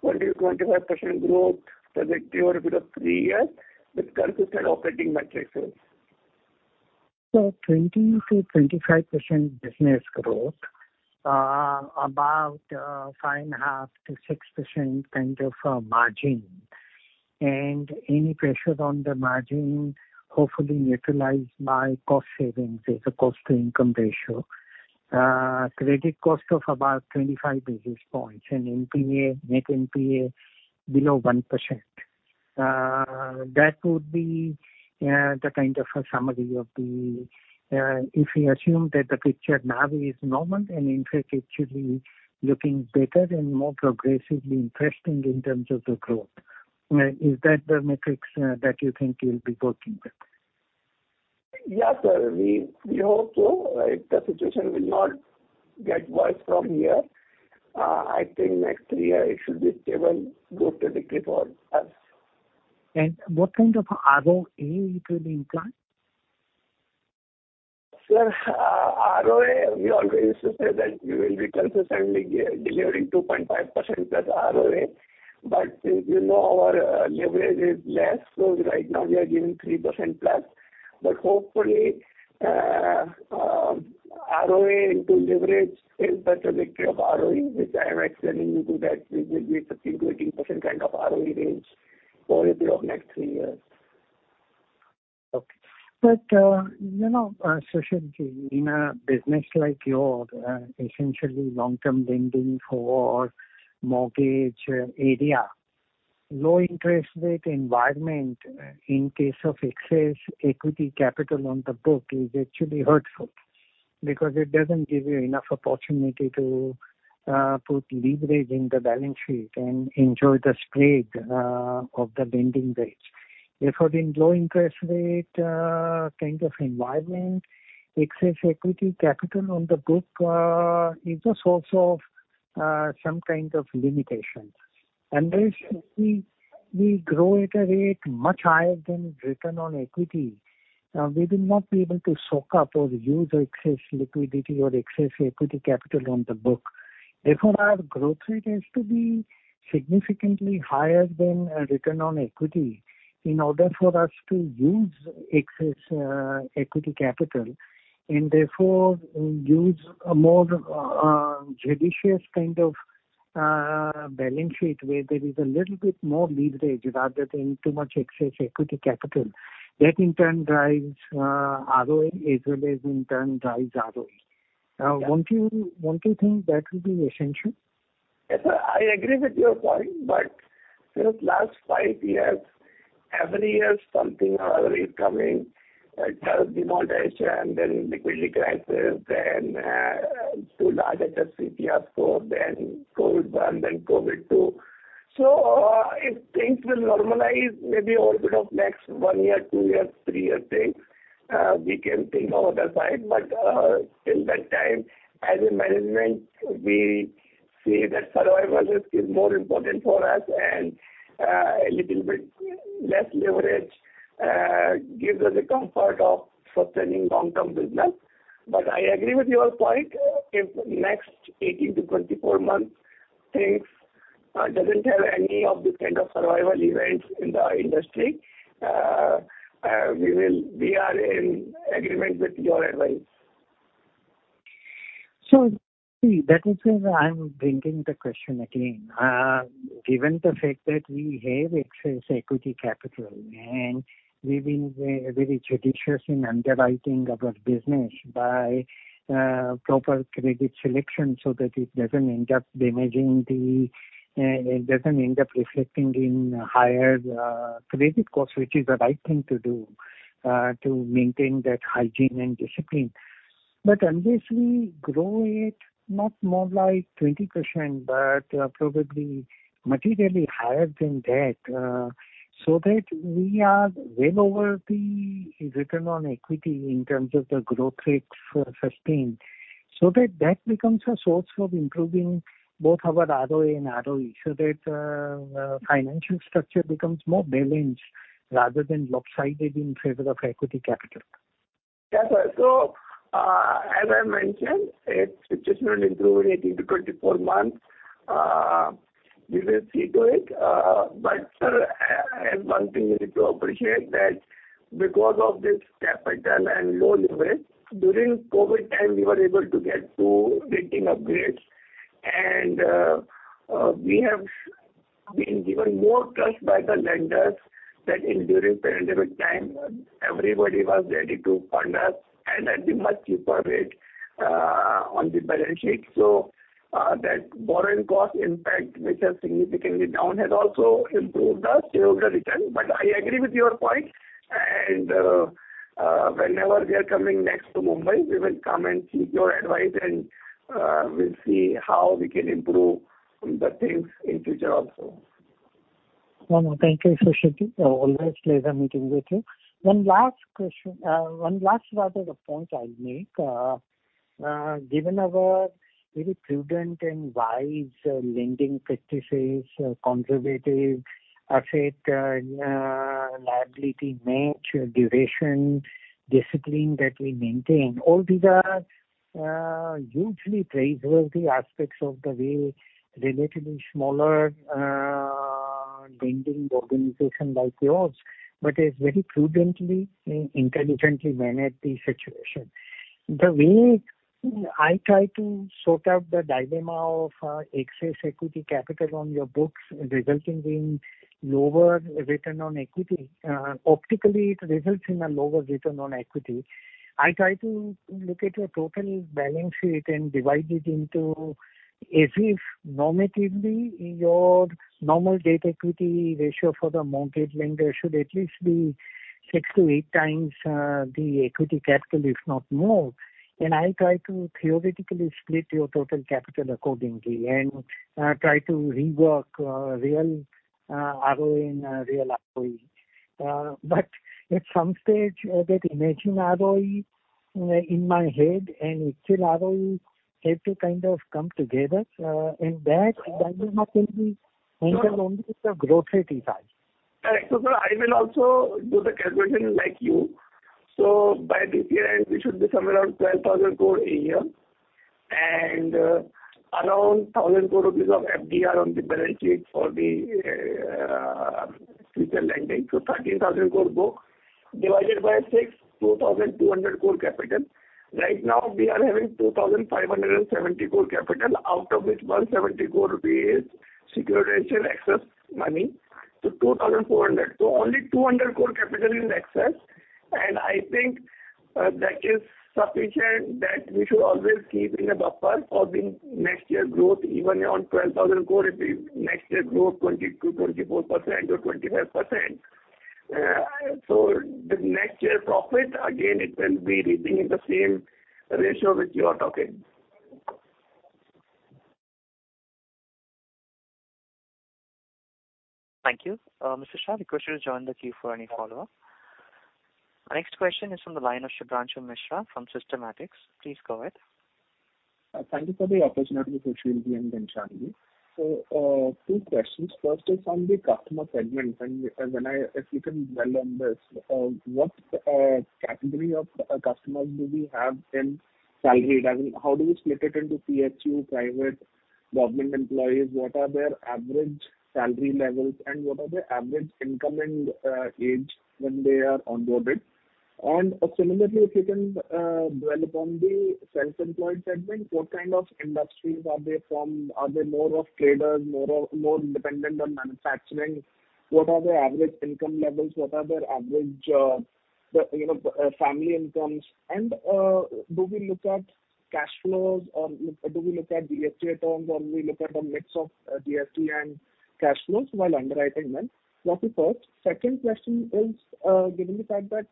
20%-25% growth trajectory over a period of three years with consistent operating metrics. 20%-25% business growth, about 5.5%-6% kind of margin. Any pressures on the margin hopefully neutralized by cost savings as a cost to income ratio. Credit cost of about 25 basis points and NPA below 1%. That would be the kind of a summary if we assume that the picture now is normal and in fact actually looking better and more progressively interesting in terms of the growth. Is that the metrics that you think you'll be working with? Yeah, sir. We hope so. If the situation will not get worse from here, I think next three-year it should be stable, good to decline for us. What kind of ROE could you implement? Sir, ROE, we always used to say that we will be consistently delivering 2.5%+ ROE. Since you know our leverage is less, so right now we are giving 3%+. Hopefully, ROE into leverage is such a multiplier of ROE, which I am explaining to you that it will be 15%-18% kind of ROE range over the next three years. Okay. You know, Sushil ji, in a business like yours, essentially long-term lending for mortgage area, low interest rate environment in case of excess equity capital on the book is actually hurtful because it doesn't give you enough opportunity to put leverage in the balance sheet and enjoy the spread of the lending rates. Therefore, in low interest rate kind of environment, excess equity capital on the book is a source of some kind of limitation. Unless we grow at a rate much higher than return on equity, we will not be able to soak up or use excess liquidity or excess equity capital on the book. Therefore, our growth rate has to be significantly higher than return on equity in order for us to use excess equity capital and therefore use a more judicious kind of balance sheet where there is a little bit more leverage rather than too much excess equity capital. That in turn drives ROE as well. Won't you think that will be essential? Yes, sir. I agree with your point, but since last five years, every year something or other is coming. First demonetization, then liquidity crisis, then IL&FS crisis, then COVID one, then COVID two. If things will normalize maybe over the next one-year, two years, three years' time, we can think of other side. Till that time, as a management, we see that survival risk is more important for us and a little bit less leverage gives us a comfort of sustaining long-term business. I agree with your point. If next 18-24 months things doesn't have any of this kind of survival events in the industry, we are in agreement with your advice. See, that is why I am bringing the question again. Given the fact that we have excess equity capital, and we've been very judicious in underwriting our business by proper credit selection, so that it doesn't end up reflecting in higher credit costs, which is the right thing to do, to maintain that hygiene and discipline. Unless we grow it not more like 20%, but probably materially higher than that, so that we are well over the return on equity in terms of the growth rate sustained, so that that becomes a source of improving both our ROE, so that financial structure becomes more balanced rather than lopsided in favor of equity capital. Yeah, sir. As I mentioned, if situation will improve in 18-24 months, we will see to it. Sir, one thing you need to appreciate that because of this capital and low leverage, during COVID time, we were able to get two rating upgrades. We have been given more trust by the lenders that during pandemic time everybody was ready to fund us and at a much cheaper rate on the balance sheet. That borrowing cost impact which has come down significantly has also improved our return. I agree with your point, and whenever we are coming next to Mumbai, we will come and seek your advice and we'll see how we can improve the things in future also. No, no, thank you, Sushil ji. Always a pleasure meeting with you. One last question. One last rather point I'll make. Given our very prudent and wise lending practices, conservative asset liability match, duration discipline that we maintain, all these are hugely praiseworthy aspects of the way relatively smaller lending organization like yours but has very prudently and intelligently managed the situation. The way I try to sort out the dilemma of excess equity capital on your books resulting in lower return on equity, optically it results in a lower return on equity. I try to look at your total balance sheet and divide it into as if normatively your normal debt equity ratio for the mortgage lender should at least be six to eight times the equity capital, if not more. I try to theoretically split your total capital accordingly and try to rework real ROE. At some stage, that imagined ROE in my head and actual ROE have to kind of come together, and that value not only be anchored only with the growth rate it has. Correct. I will also do the calculation like you. By this year end, we should be somewhere around 12,000 crore a year and around 1,000 crore rupees of FDR on the balance sheet for the future lending. 13,000 crore book divided by 6, 2,200 crore capital. Right now we are having 2,570 crore capital, out of which 170 crore rupees securitization excess money to INR 2,400. Only INR 200 crore capital is excess. I think that is sufficient that we should always keep in a buffer for the next year growth, even on 12,000 crore, if the next year grow 20%-24% or 25%. The next year profit again it will be reaching in the same ratio which you are talking. Thank you. Mr. Shah. I request you to join the queue for any follow-up. Our next question is from the line of Shubhranshu Mishra from Systematix. Please go ahead. Thank you for the opportunity, Sushil ji and Ghanshyam ji. Two questions. First is on the customer segment. If you can dwell on this, what category of customers do we have in salaried? I mean, how do you split it into PSU, private, government employees? What are their average salary levels and what are their average income and age when they are onboarded? And similarly, if you can dwell upon the self-employed segment, what kind of industries are they from? Are they more of traders? More dependent on manufacturing. What are their average income levels? What are their average family incomes? And do we look at cash flows or do we look at GST terms or we look at a mix of GST and cash flows while underwriting them? That's the first. Second question is, given the fact that,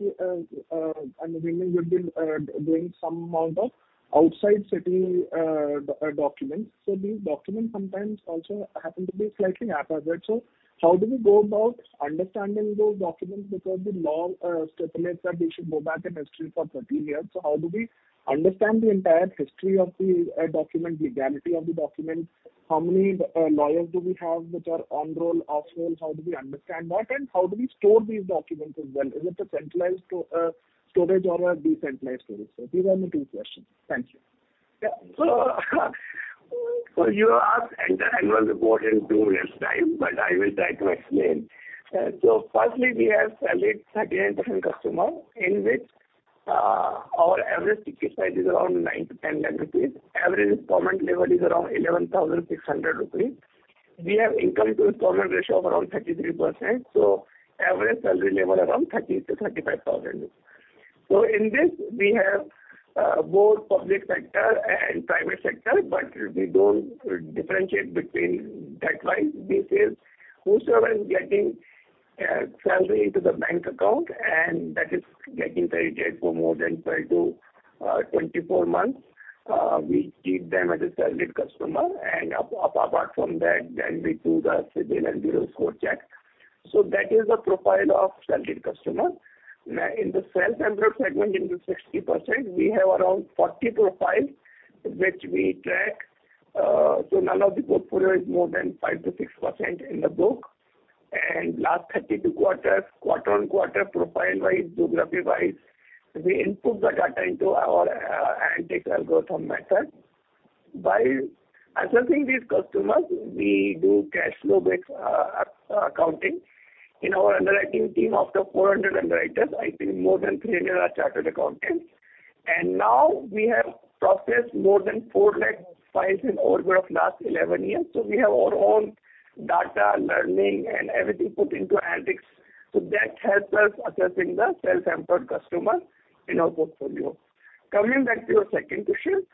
I mean, we will be doing some amount of outside city documents. So these documents sometimes also happen to be slightly haphazard. So how do we go about understanding those documents? Because the law stipulates that they should go back in history for 13 years. So how do we understand the entire history of the document, legality of the document? How many lawyers do we have which are on roll, off roll? How do we understand that and how do we store these documents as well? Is it a centralized storage or a decentralized storage? So these are my two questions. Thank you. Yeah. You ask at the annual report in two minutes time, but I will try to explain. Firstly, we have salaried 38% customer in which our average ticket size is around 9,000-10,000 rupees. Average installment level is around 11,600 rupees. We have income to installment ratio of around 33%, so average salary level around 30,000-35,000. In this we have both public sector and private sector, but we don't differentiate between that wise. This is whosoever is getting salary into the bank account and that is getting credited for more than 12-24 months, we keep them as a salaried customer and apart from that, we do the CIBIL and Bureau score check. That is the profile of salaried customer. In the self-employed segment, in the 60%, we have around 40 profiles which we track. None of the portfolio is more than 5%-6% in the book. Last 32 quarters, quarter on quarter, profile-wise, geography-wise, we input the data into our analytics algorithm method. By assessing these customers we do cash-flow-based accounting. In our underwriting team of the 400 underwriters, I think more than 300 are chartered accountants. Now we have processed more than 4 lakh files over the last 11 years. We have our own data learning and everything put into analytics. That helps us assessing the self-employed customer in our portfolio. Coming back to your second question,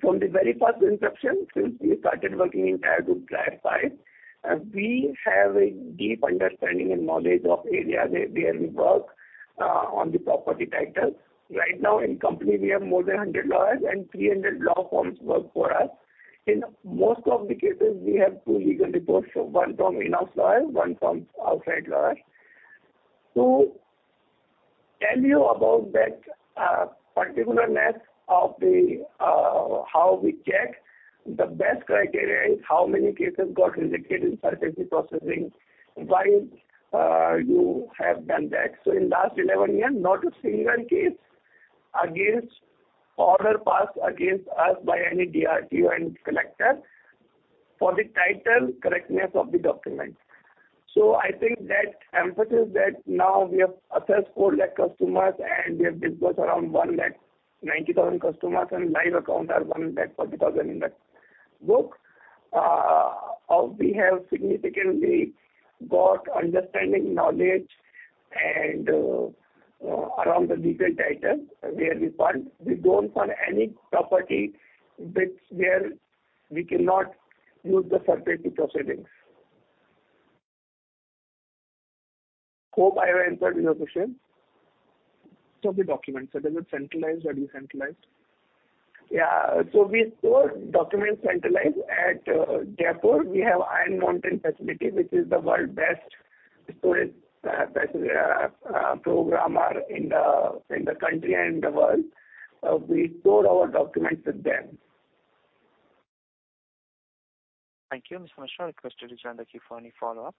from the very first inception, since we started working in Tier 2, Tier 5, we have a deep understanding and knowledge of area where we work on the property title. Right now in company we have more than 100 lawyers and 300 law firms work for us. In most of the cases, we have two legal reports. One from in-house lawyer, one from outside lawyer. To tell you about that, particularness of the how we check the best criteria is how many cases got rejected in scrutiny processing while you have done that. In last 11 years, not a single case or order passed against us by any DRT and collector for the title correctness of the document. I think the emphasis is that now we have assessed 4 lakh customers and we have disbursed around 1 lakh 90,000 customers and live accounts are 1 lakh 40,000 in the book. Now we have significantly got understanding knowledge and around the retail title where we fund. We don't fund any property that's where we cannot use the SARFAESI proceedings. Hope I have answered your question. The documents, are they centralized or decentralized? Yeah. We store documents centralized at Jaipur. We have Iron Mountain facility, which is the world's best storage facility, premier in the country and the world. We store our documents with them. Thank you, Mr. Mishra. I request you to join the queue for any follow-up.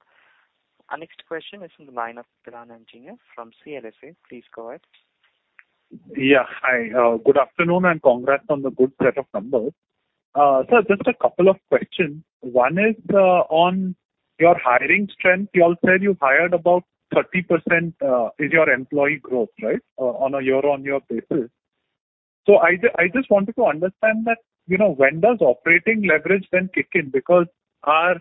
Our next question is from the line of Kiran Engineer from CLSA. Please go ahead. Yeah. Hi, good afternoon and congrats on the good set of numbers. Just a couple of questions. One is on your hiring strength. You all said you hired about 30%, is your employee growth, right, on a year-on-year basis. I just wanted to understand that, you know, when does operating leverage then kick in? Because our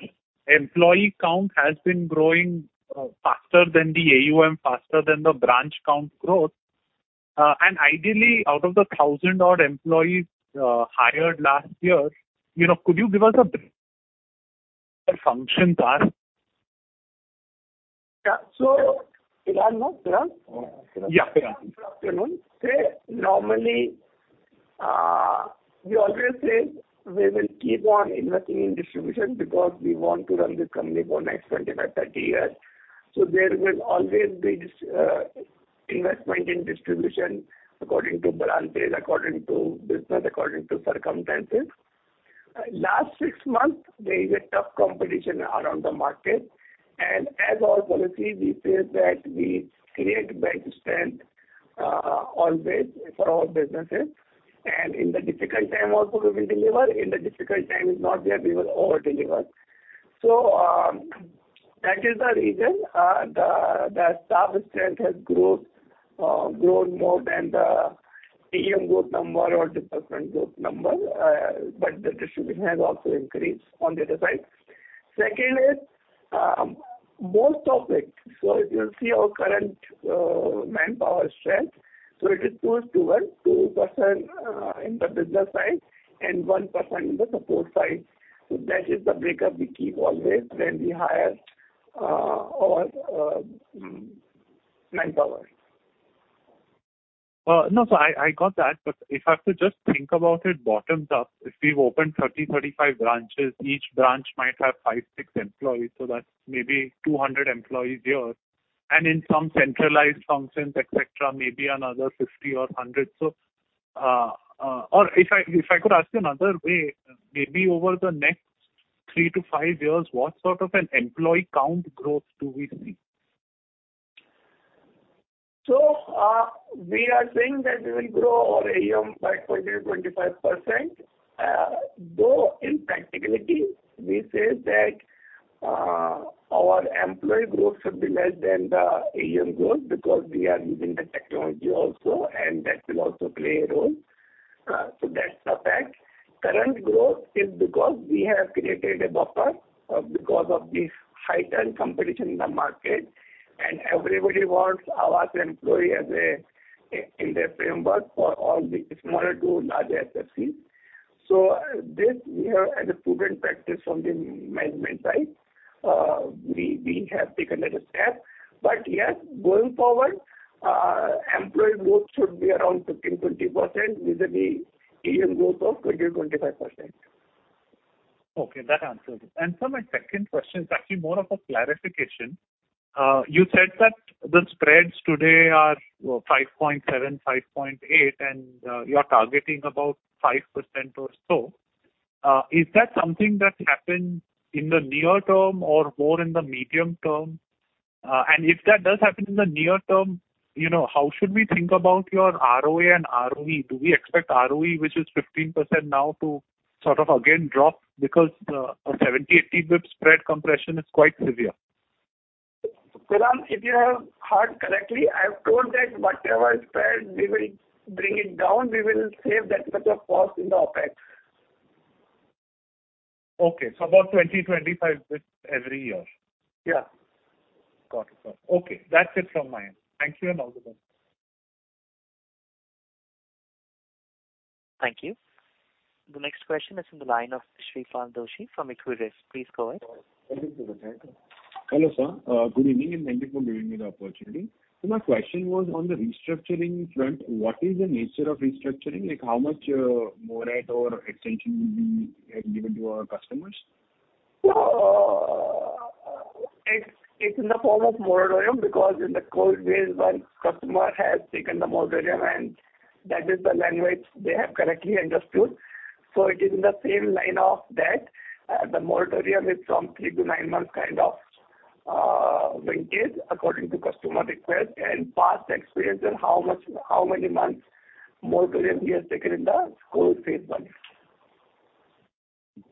employee count has been growing faster than the AUM, faster than the branch count growth. Ideally, out of the 1,000-odd employees hired last year, you know, could you give us a function cost? Yeah. Kiran, no? Kiran? Yeah, Kiran. Good afternoon. Normally, we always say we will keep on investing in distribution because we want to run this company for next 20 to 30 years. There will always be this investment in distribution according to branches, according to business, according to circumstances. Last six months there is a tough competition around the market and as our policy we say that we create bench strength always for our businesses and in the difficult time also we will deliver. In the difficult time is not there, we will over-deliver. That is the reason the staff strength has grown more than the AUM growth number or disbursement growth number. But the distribution has also increased on the other side. Second is, most of it. If you'll see our current manpower strength, it is towards 2% in the business side and 1% in the support side. That is the breakup we keep always when we hire our manpower. No. I got that, but if I have to just think about it bottom up, if we've opened 30-35 branches, each branch might have five-six employees, so that's maybe 200 employees here. In some centralized functions, et cetera, maybe another 50 or 100. Or if I could ask you another way, maybe over the next three-five years, what sort of an employee count growth do we see? We are saying that we will grow our AUM by 20%-25%. Though in practicality we say that our employee growth should be less than the AUM growth because we are using the technology also, and that will also play a role. That's the fact. Current growth is because we have created a buffer because of the heightened competition in the market and everybody wants Aavas employee in their framework for all the smaller to large HFC. This we have as a proven practice from the management side. We have taken it a step. Yes, going forward, employee growth should be around 15%-20% vis-a-vis AUM growth of 20%-25%. Okay, that answers it. Sir, my second question is actually more of a clarification. You said that the spreads today are 5.7, 5.8 and you are targeting about 5% or so. If that does happen in the near term, you know, how should we think about your ROA and ROE? Do we expect ROE, which is 15% now to sort of again drop because a 70-80 basis points spread compression is quite severe. Kiran, if you have heard correctly, I have told that whatever spread we will bring it down, we will save that much of cost in the OpEx. Okay. About 20-25 basis points every year. Yeah. Got it. Okay, that's it from my end. Thank you and all the best. Thank you. The next question is from the line of Shreepal Doshi from Equirus. Please go ahead. Hello, sir. Good evening, and thank you for giving me the opportunity. My question was on the restructuring front. What is the nature of restructuring? Like how much moratorium or extension will be given to our customers? It's in the form of moratorium because in the COVID wave one customer has taken the moratorium and that is the language they have correctly understood. It is in the same line of that. The moratorium is from three-nine months kind of vintage according to customer request and past experience on how much, how many months moratorium he has taken in the COVID phase one.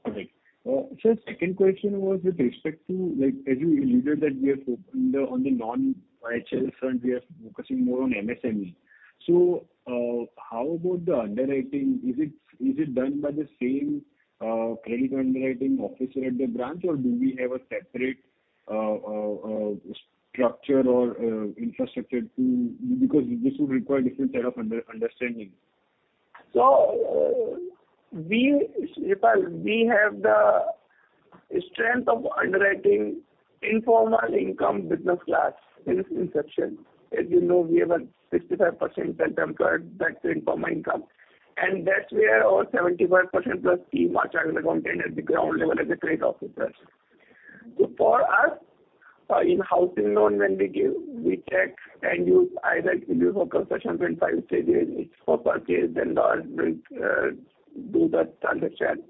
Got it. Sir, second question was with respect to, like, as you alluded that we are focused on the non-CHL front, we are focusing more on MSME. How about the underwriting? Is it done by the same credit underwriting officer at the branch or do we have a separate structure or infrastructure because this will require different set of understanding? Shreepal, we have the strength of underwriting informal income business class in inception. As you know, we have a 65% self-employed that's informal income. That's where our 75%+ team are grounded on at the ground level as credit officers. For us, in housing loan when we give, we check end use either it will be for construction, renovation, it's for purchase then or we do the transaction.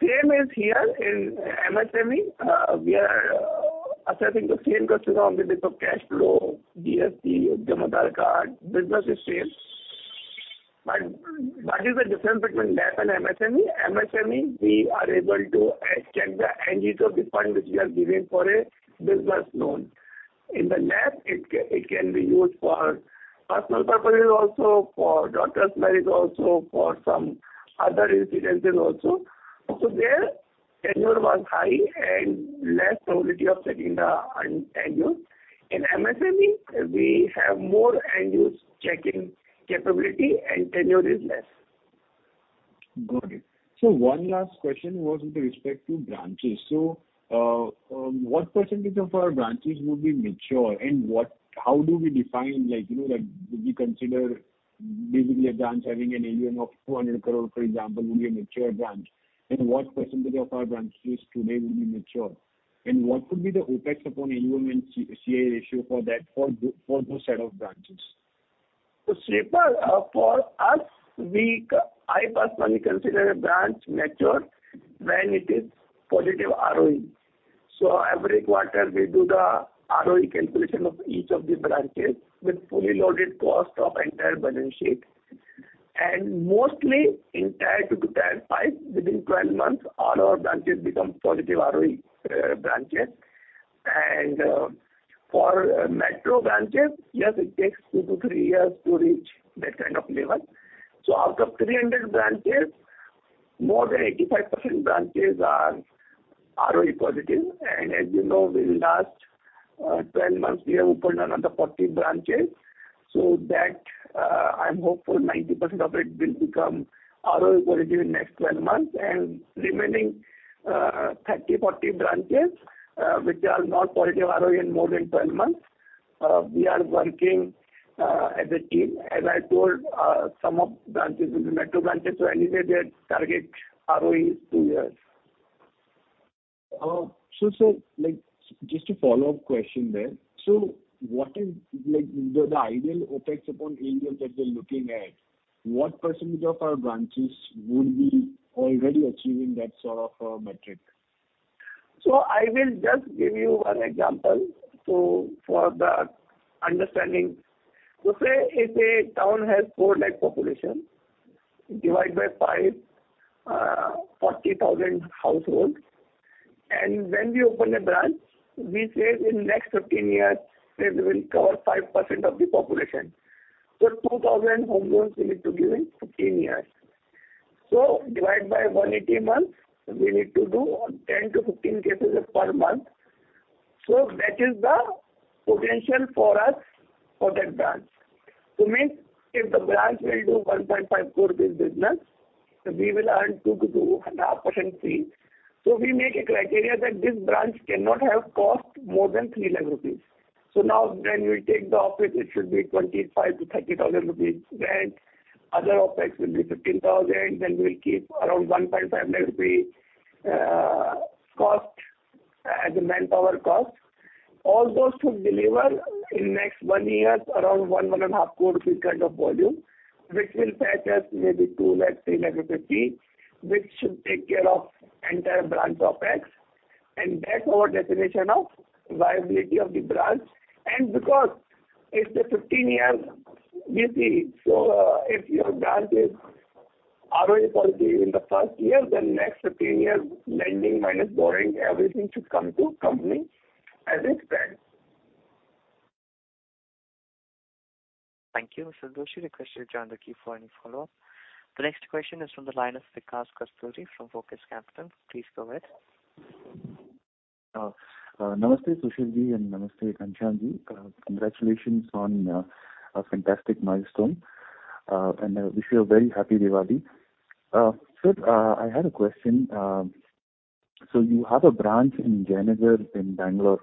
Same is here in MSME. We are assessing the same customer on the basis of cash flow, GST, Udyam Aadhar, business is same. But what is the difference between LAP and MSME? MSME, we are able to extend the end use of the fund which we are giving for a business loan. In the LAP it can be used for personal purposes also, for daughter's marriage also, for some other incidents also. Their tenure was high and less probability of checking the end tenure. In MSME, we have more end use checking capability and tenure is less. Got it. One last question was with respect to branches. What percentage of our branches would be mature and how do we define, like, you know, like, would we consider basically a branch having an AUM of 200 crore, for example, would be a mature branch? And what percentage of our branches today would be mature? And what would be the OpEx upon AUM and C-C/A ratio for that, for those set of branches? Shreepal, I personally consider a branch mature when it is positive ROE. Every quarter we do the ROE calculation of each of the branches with fully loaded cost of entire balance sheet. Mostly in tier 2 to tier 5, within 12 months all our branches become positive ROE branches. For metro branches, yes, it takes two-three years to reach that kind of level. Out of 300 branches, more than 85% branches are ROE positive. As you know, within the last 12 months, we have opened another 40 branches, so that, I'm hopeful 90% of it will become ROE positive in next 12 months. Remaining 30-40 branches which are not positive ROE in more than 12 months, we are working as a team. As I told, some of branches will be metro branches, so anyway their target ROE is two years. sir, like, just a follow-up question there. What is, like, the ideal OpEx upon AUM that we are looking at, what percentage of our branches would be already achieving that sort of a metric? I will just give you one example. For the understanding, say if a town has 4 lakh population, divide by 5, 40,000 households. When we open a branch, we say in next 15 years it will cover 5% of the population. 2,000 home loans we need to give in 15 years. Divide by 180 months, we need to do 10-15 cases per month. That is the potential for us for that branch, which means if the branch will do 1.5 crore business, we will earn 2%-2.5% fees. We make a criteria that this branch cannot have cost more than 3 lakh rupees. Now when we take the office it should be 25,000-30,000 rupees rent, other OpEx will be 15,000, then we'll keep around 1.5 lakh rupees cost as a manpower cost. All those should deliver in next one-year around 1-1.5 crore rupees kind of volume, which will fetch us maybe 2 lakh-3 lakh rupees fees, which should take care of entire branch OpEx. That's our definition of viability of the branch. Because it's a 15-year VC, if your branch is ROE positive in the first year, then next 15 years lending minus borrowing everything should come to company as a spend. Thank you, Mr. Doshi. The question has joined the queue for any follow-up. The next question is from the line of Vikas Kasturi from Focus Capital. Please go ahead. Namaste Sushil ji and namaste Ghanshyam ji. Congratulations on a fantastic milestone. I wish you a very happy Diwali. Sir, I had a question. You have a branch in Jayanagar in Bangalore,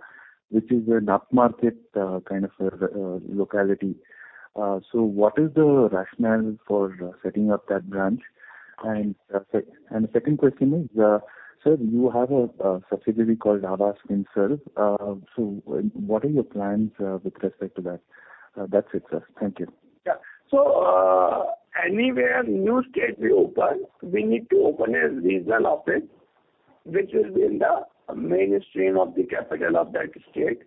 which is an upmarket kind of locality. What is the rationale for setting up that branch? And the second question is, sir, you have a subsidiary called Aavas FinServ. What are your plans with respect to that? That's it, sir. Thank you. Yeah. Anywhere new state we open, we need to open a regional office which is in the mainstream of the capital of that state.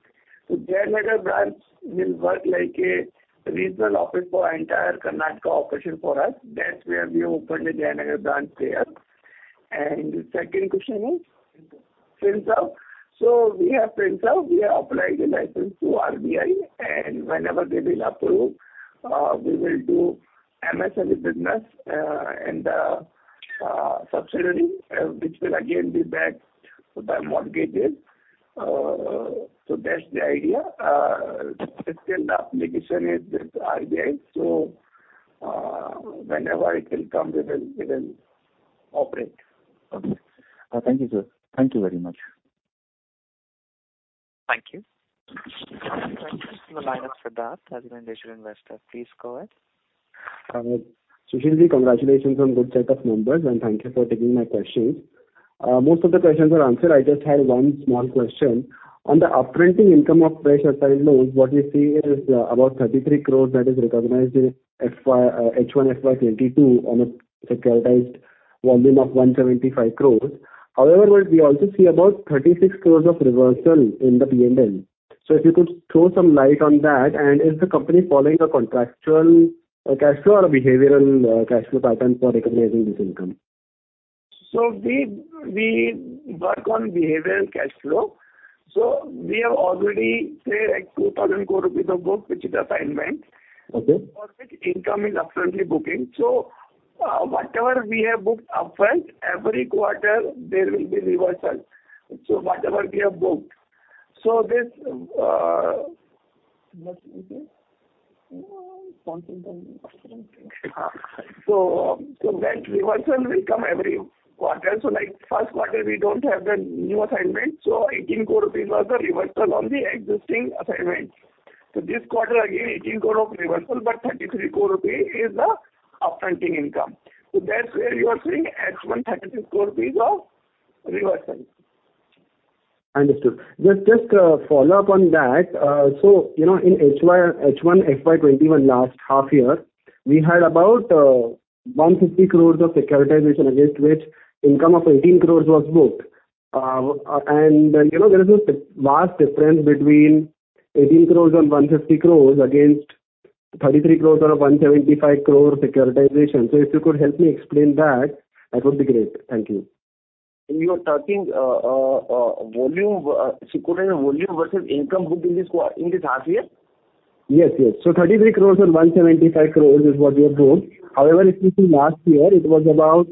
Jayanagar branch will work like a regional office for entire Karnataka operation for us. That's where we opened a Jayanagar branch there. Second question is Aavas FinServ. We have Aavas FinServ. We have applied for a license to RBI, and whenever they will approve, we will do MSME business, and a subsidiary, which will again be backed by mortgages. That's the idea. The application is still with RBI, so whenever it will come, we will operate. Okay. Thank you, sir. Thank you very much. Thank you. Next is from the line of Siddharth Purohit, SMC Global Securities initial investor. Please go ahead. Sushil ji, congratulations on good set of numbers, and thank you for taking my questions. Most of the questions were answered. I just had one small question. On the upfronting income of fresh retail loans, what we see is, about 33 crores that is recognized in FY, H1 FY 2022 on a securitized volume of 175 crores. However, we also see about 36 crores of reversal in the P&L. If you could throw some light on that, and is the company following a contractual, cash flow or behavioral, cash flow pattern for recognizing this income? We work on behavioral cash flow. We have already said, like, 2,000 crore rupees of book which is assignment. Okay. For which income is upfront booking. Whatever we have booked upfront, every quarter there will be reversal. Whatever we have booked. What's this? Something, something. that reversal will come every quarter. Like Q1, we don't have the new assignment, so 18 crore rupees was the reversal on the existing assignments. This quarter again, 18 crore of reversal, but 33 crore rupee is the upfronting income. That's where you are seeing H1 33 crore rupees of reversal. Understood. Just a follow-up on that. You know, in H1 FY 2021 last half year, we had about 150 crore of securitization against which income of 18 crore was booked. You know, there is a vast difference between 18 crore and 150 crore against 33 crore out of 175 crore securitization. If you could help me explain that would be great. Thank you. You are talking volume, securitizing volume versus income booked in this half year? Yes, yes. 33 crores and 175 crores is what you have booked. However, if you see last year, it was about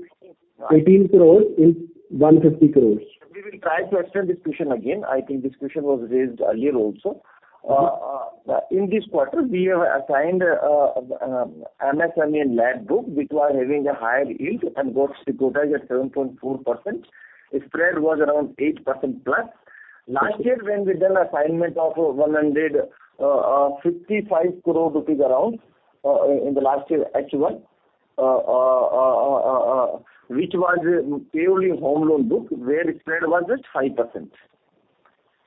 18 crores and 150 crores. We will try to explain this question again. I think this question was raised earlier also. In this quarter, we have assigned MSME loan book, which was having a higher yield and got securitized at 7.4%. Its spread was around 8%+. Last year when we did assignment of 155 crore rupees around in the last year H1, which was purely home loan book, where spread was at 5%.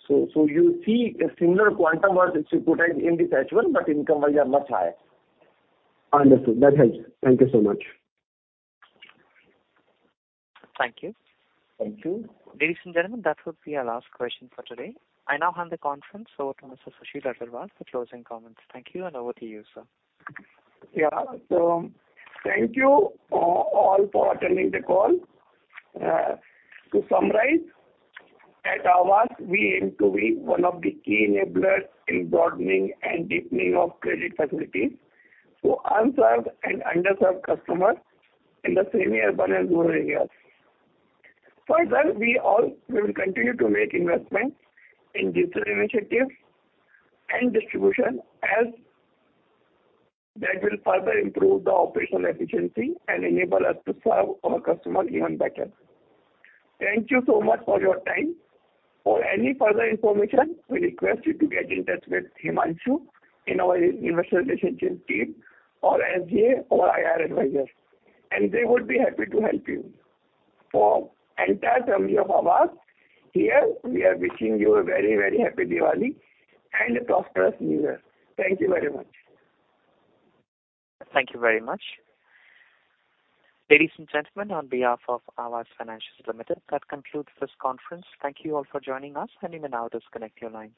You see a similar quantum was securitized in this H1, but income was a lot higher. Understood. That helps. Thank you so much. Thank you. Thank you. Ladies and gentlemen, that would be our last question for today. I now hand the conference over to Mr. Sushil Agarwal for closing comments. Thank you, and over to you, sir. Yeah. Thank you, all for attending the call. To summarize, at Aavas we aim to be one of the key enablers in broadening and deepening of credit facilities to unserved and underserved customers in the semi-urban and rural areas. Further, we will continue to make investments in digital initiatives and distribution as that will further improve the operational efficiency and enable us to serve our customer even better. Thank you so much for your time. For any further information, we request you to get in touch with Himanshu in our Investor Relations team or SGA or IR advisors, and they would be happy to help you. From entire family of Aavas, here we are wishing you a very, very happy Diwali and a prosperous new year. Thank you very much. Thank you very much. Ladies and gentlemen, on behalf of Aavas Financiers Limited, that concludes this conference. Thank you all for joining us, and you may now disconnect your lines.